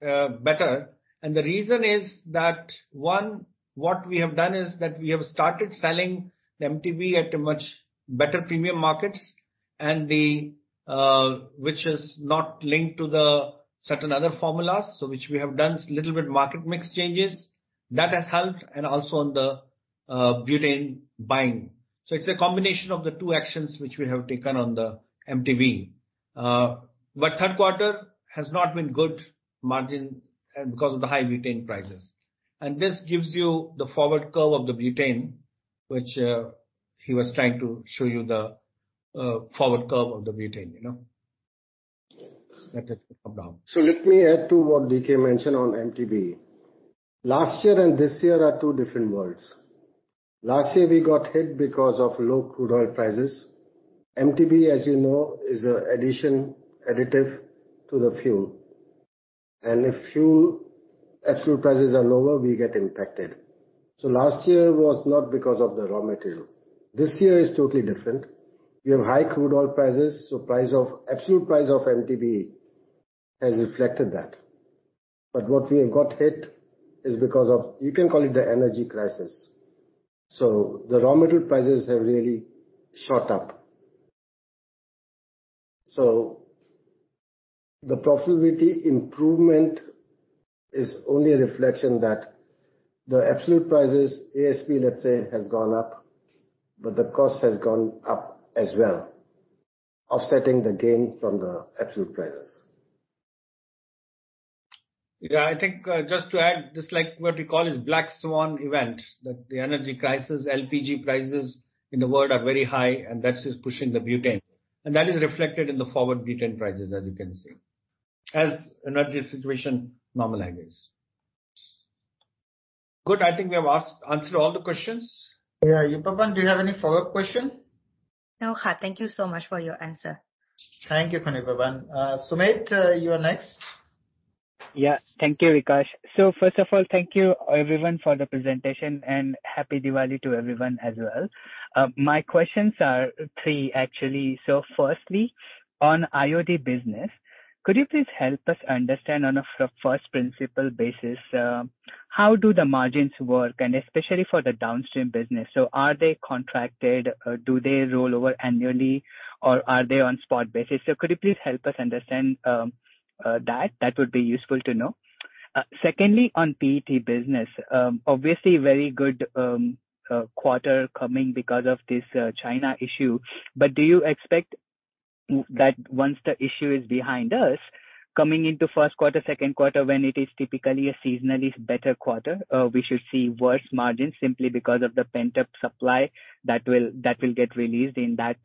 better. The reason is that, 1, what we have done is that we have started selling the MTBE at a much better premium markets and the, which is not linked to the certain other formulas, so which we have done little bit market mix changes. That has helped and also on the butane buying. It's a combination of the 2 actions which we have taken on the MTBE. Third quarter has not been good margin, because of the high butane prices. This gives you the forward curve of the butane, which he was trying to show you the forward curve of the butane, you know. Let it come down. Let me add to what DK mentioned on MTBE. Last year and this year are two different worlds. Last year we got hit because of low crude oil prices. MTBE, as you know, is a additive to the fuel. If fuel, absolute prices are lower, we get impacted. Last year was not because of the raw material. This year is totally different. We have high crude oil prices, so absolute price of MTBE has reflected that. What we have got hit is because of, you can call it the energy crisis. The raw material prices have really shot up. The profitability improvement is only a reflection that the absolute prices, ASP, let's say, has gone up, but the cost has gone up as well, offsetting the gain from the absolute prices. Yeah, I think, just to add, this like what we call is black swan event, that the energy crisis, LPG prices in the world are very high. That is pushing the butane. That is reflected in the forward butane prices, as you can see, as energy situation normalizes. Good. I think we have answered all the questions. Yeah. Yupapan, do you have any follow-up question? No, sir. Thank you so much for your answer. Thank you, Yupapan. Sumedh, you're next. Yeah. Thank you, Vikash. First of all, thank you everyone for the presentation, and happy Diwali to everyone as well. My questions are three actually. Firstly, on IOD business, could you please help us understand on a first principle basis, how do the margins work and especially for the downstream business? Are they contracted, or do they roll over annually, or are they on spot basis? Could you please help us understand that? That would be useful to know. Secondly, on PET business, obviously very good quarter coming because of this China issue. Do you expect that once the issue is behind us, coming into first quarter, second quarter, when it is typically a seasonally better quarter, we should see worse margins simply because of the pent-up supply that will get released in that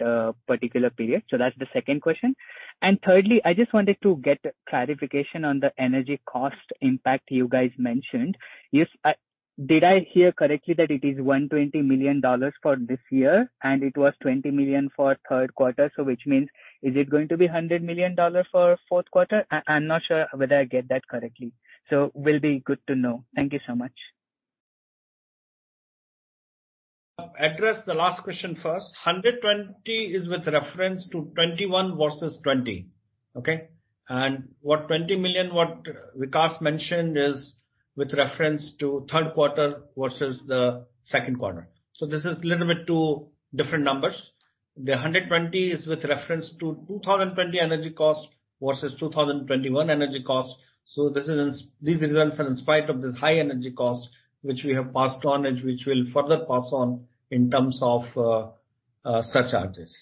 particular period. So that's the second question. And thirdly, I just wanted to get clarification on the energy cost impact you guys mentioned. Did I hear correctly that it is $120 million for this year, and it was $20 million for third quarter, so which means is it going to be $100 million for fourth quarter? I'm not sure whether I get that correctly, so will be good to know. Thank you so much. I'll address the last question first. 120 is with reference to 2021 versus 2020. Okay. What 20 million Vikash mentioned is with reference to 3rd quarter versus the 2nd quarter. So this is a little bit 2 different numbers. The 120 is with reference to 2020 energy cost versus 2021 energy cost. So these results are in spite of this high energy cost, which we have passed on and which we'll further pass on in terms of surcharges.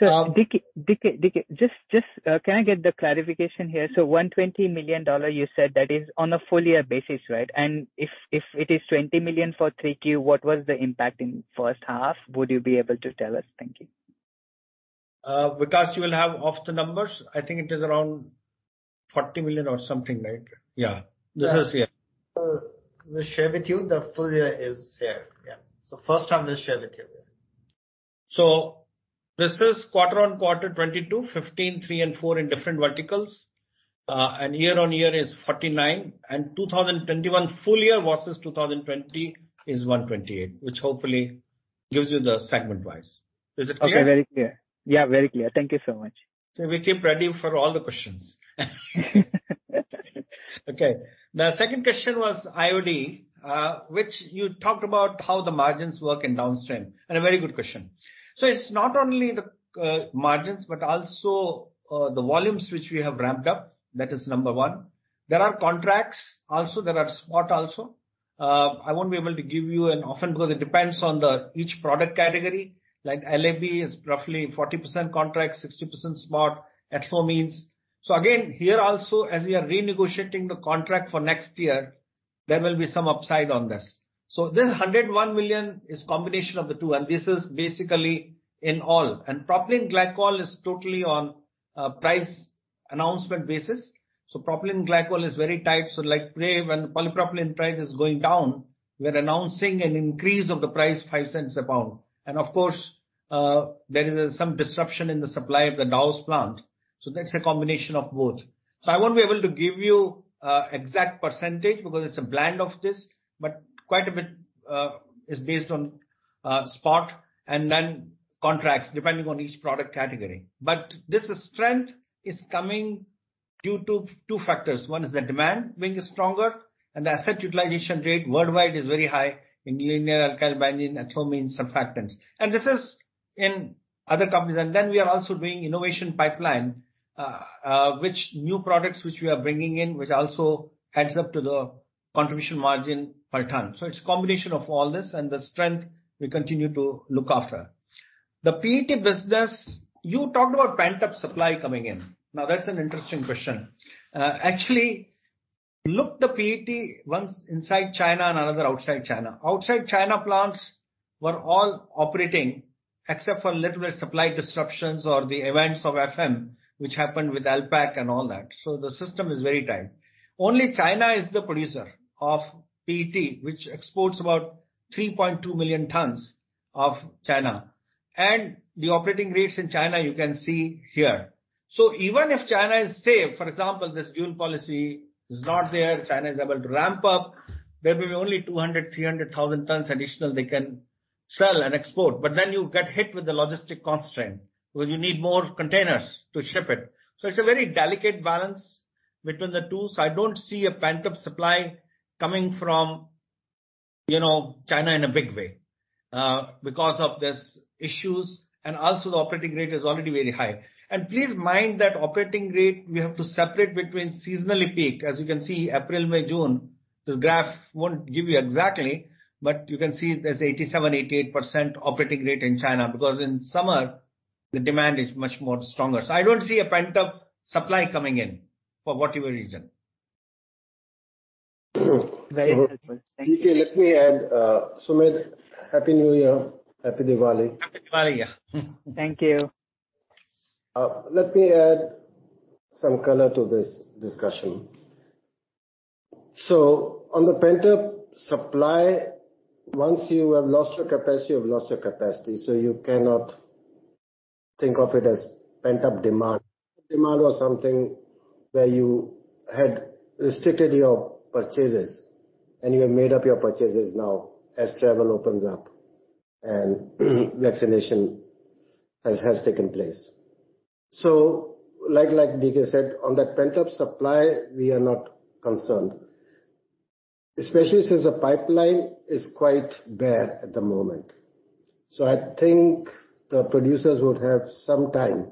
DK, just can I get the clarification here? One $120 million you said that is on a full year basis, right? If it is $20 million for 3Q, what was the impact in first half? Would you be able to tell us? Thank you. Vikash, you will have of the numbers. I think it is around $40 million or something, right? This is. Yeah. We'll share with you. The full year is here. Yeah. First time we'll share with you. Yeah. This is quarter-on-quarter 2022, 15, 3 and 4 in different verticals. Year-on-year is 49. 2021 full year versus 2020 is 128, which hopefully gives you the segment-wise. Is it clear? Okay, very clear. Yeah, very clear. Thank you so much. We came ready for all the questions. Okay. The second question was IOD, which you talked about how the margins work in downstream, a very good question. It's not only the margins but also the volumes which we have ramped up. That is number one. There are contracts also, there are spot also. I won't be able to give you an offhand because it depends on the each product category. Like LAB is roughly 40% contract, 60% spot. Ethanolamines. Again, here also, as we are renegotiating the contract for next year, there will be some upside on this. This $101 million is combination of the two, and this is basically in all. Propylene glycol is totally on a price announcement basis, so propylene glycol is very tight. Like today when the polypropylene price is going down, we're announcing an increase of the price 5 cents a pound. Of course, there is some disruption in the supply of the Dow's plant. That's a combination of both. I won't be able to give you exact percentage because it's a blend of this, but quite a bit is based on spot and then contracts, depending on each product category. This strength is coming due to 2 factors. One is the demand being stronger, and the asset utilization rate worldwide is very high in linear alkyl benzene, ethanolamines, surfactants. This is in other companies. Then we are also doing innovation pipeline, which new products which we are bringing in, which also adds up to the contribution margin per ton. It's a combination of all this and the strength we continue to look after. The PET business, you talked about pent-up supply coming in. That's an interesting question. actually, look the PET once inside China and another outside China. Outside China plants were all operating except for little bit supply disruptions or the events of FM which happened with LPAC and all that. The system is very tight. Only China is the producer of PET, which exports about 3.2 million tons of China. The operating rates in China you can see here. Even if China is safe, for example, this dual policy is not there, China is able to ramp up, there will be only 200,000-300,000 tons additional they can sell and export. You get hit with the logistic constraint, where you need more containers to ship it. It's a very delicate balance between the two, so I don't see a pent-up supply coming from, you know, China in a big way because of these issues, and also the operating rate is already very high. Please mind that operating rate, we have to separate between seasonally peak. As you can see, April, May, June, this graph won't give you exactly, but you can see there's 87%, 88% operating rate in China. Because in summer, the demand is much stronger. I don't see a pent-up supply coming in for whatever reason. Very helpful. Thank you. DK, let me add, Sumedh, Happy New Year. Happy Diwali. Happy Diwali, yeah. Thank you. Let me add some color to this discussion. On the pent-up supply, once you have lost your capacity, you've lost your capacity, so you cannot think of it as pent-up demand. Demand was something where you had restricted your purchases and you have made up your purchases now as travel opens up and vaccination has taken place. Like, like DK said, on that pent-up supply, we are not concerned, especially since the pipeline is quite bare at the moment. I think the producers would have some time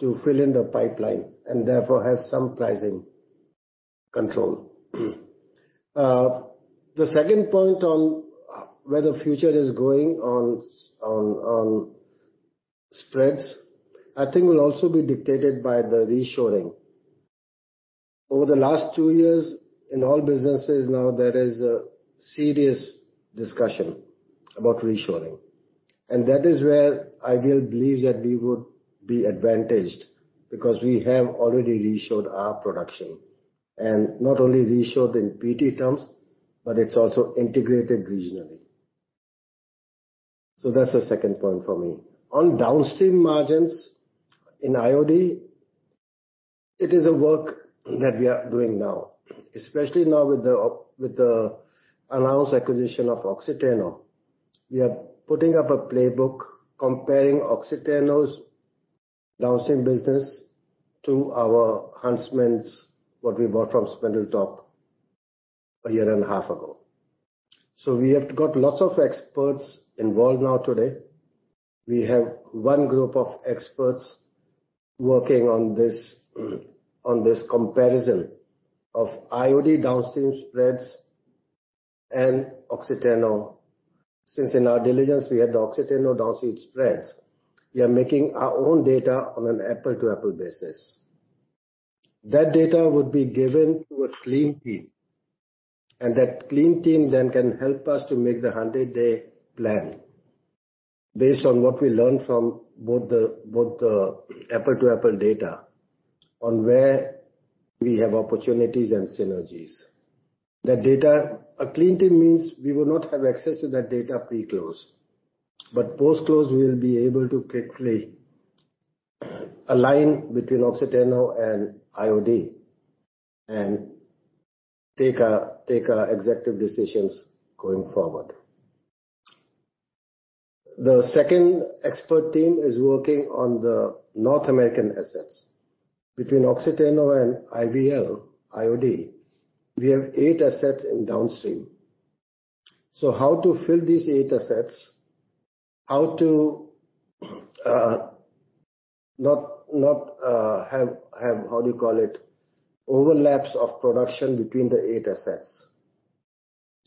to fill in the pipeline and therefore have some pricing control. The second point on where the future is going on spreads, I think will also be dictated by the reshoring. Over the last two years in all businesses now, there is a serious discussion about reshoring, and that is where I really believe that we would be advantaged because we have already reshored our production, and not only reshored in PET terms, but it's also integrated regionally. That's the second point for me. On downstream margins in IOD, it is a work that we are doing now, especially now with the announced acquisition of Oxiteno. We are putting up a playbook comparing Oxiteno's downstream business to our Huntsman's, what we bought from Spindletop a year and a half ago. We have got lots of experts involved now today. We have one group of experts working on this comparison of IOD downstream spreads and Oxiteno. Since in our diligence we had the Oxiteno downstream spreads, we are making our own data on an apple-to-apple basis. That data would be given to a clean team. That clean team can help us to make the 100-day plan based on what we learn from both the apple-to-apple data on where we have opportunities and synergies. A clean team means we will not have access to that data pre-close. Post-close we'll be able to quickly align between Oxiteno and IOD and take our executive decisions going forward. The second expert team is working on the North American assets. Between Oxiteno and IVL, IOD, we have eight assets in downstream. How to fill these eight assets, how to not have, how do you call it? Overlaps of production between the eight assets.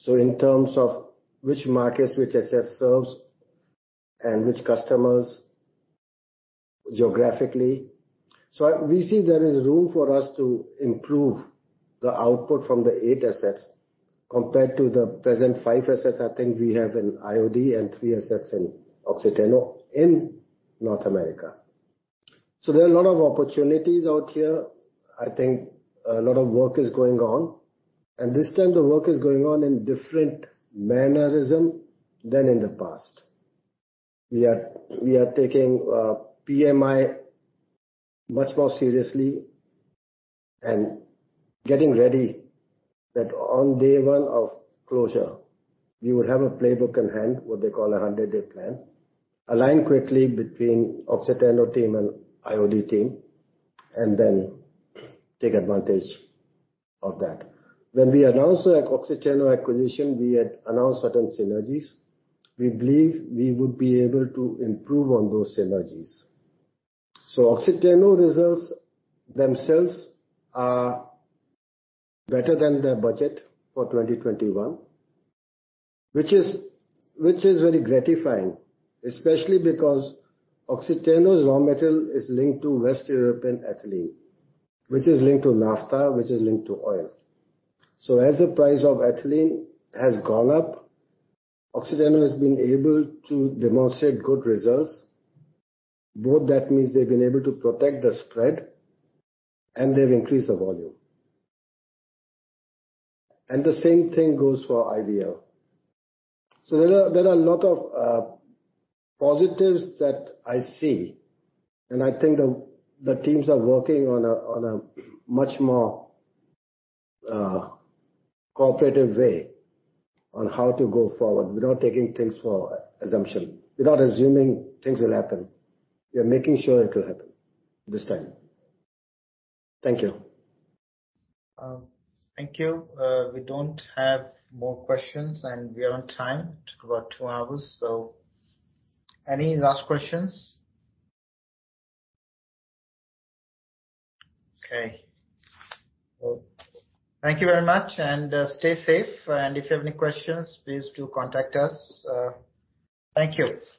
In terms of which markets which asset serves and which customers geographically. We see there is room for us to improve the output from the 8 assets compared to the present 5 assets I think we have in IOD and 3 assets in Oxiteno in North America. There are a lot of opportunities out here. I think a lot of work is going on, and this time the work is going on in different mannerism than in the past. We are taking PMI much more seriously and getting ready that on day one of closure we would have a playbook in hand, what they call a 100-day plan, align quickly between Oxiteno team and IOD team, and then take advantage of that. When we announced the Oxiteno acquisition, we had announced certain synergies. We believe we would be able to improve on those synergies. Oxiteno results themselves are better than their budget for 2021, which is very gratifying, especially because Oxiteno's raw material is linked to West European ethylene, which is linked to naphtha, which is linked to oil. As the price of ethylene has gone up, Oxiteno has been able to demonstrate good results, both that means they've been able to protect the spread and they've increased the volume. The same thing goes for IVL. There are a lot of positives that I see, and I think the teams are working on a much more cooperative way on how to go forward without taking things for assumption. Without assuming things will happen, we are making sure it will happen this time. Thank you. Thank you. We don't have more questions, and we are on time. It took about 2 hours. Any last questions? Thank you very much, stay safe. If you have any questions, please do contact us. Thank you.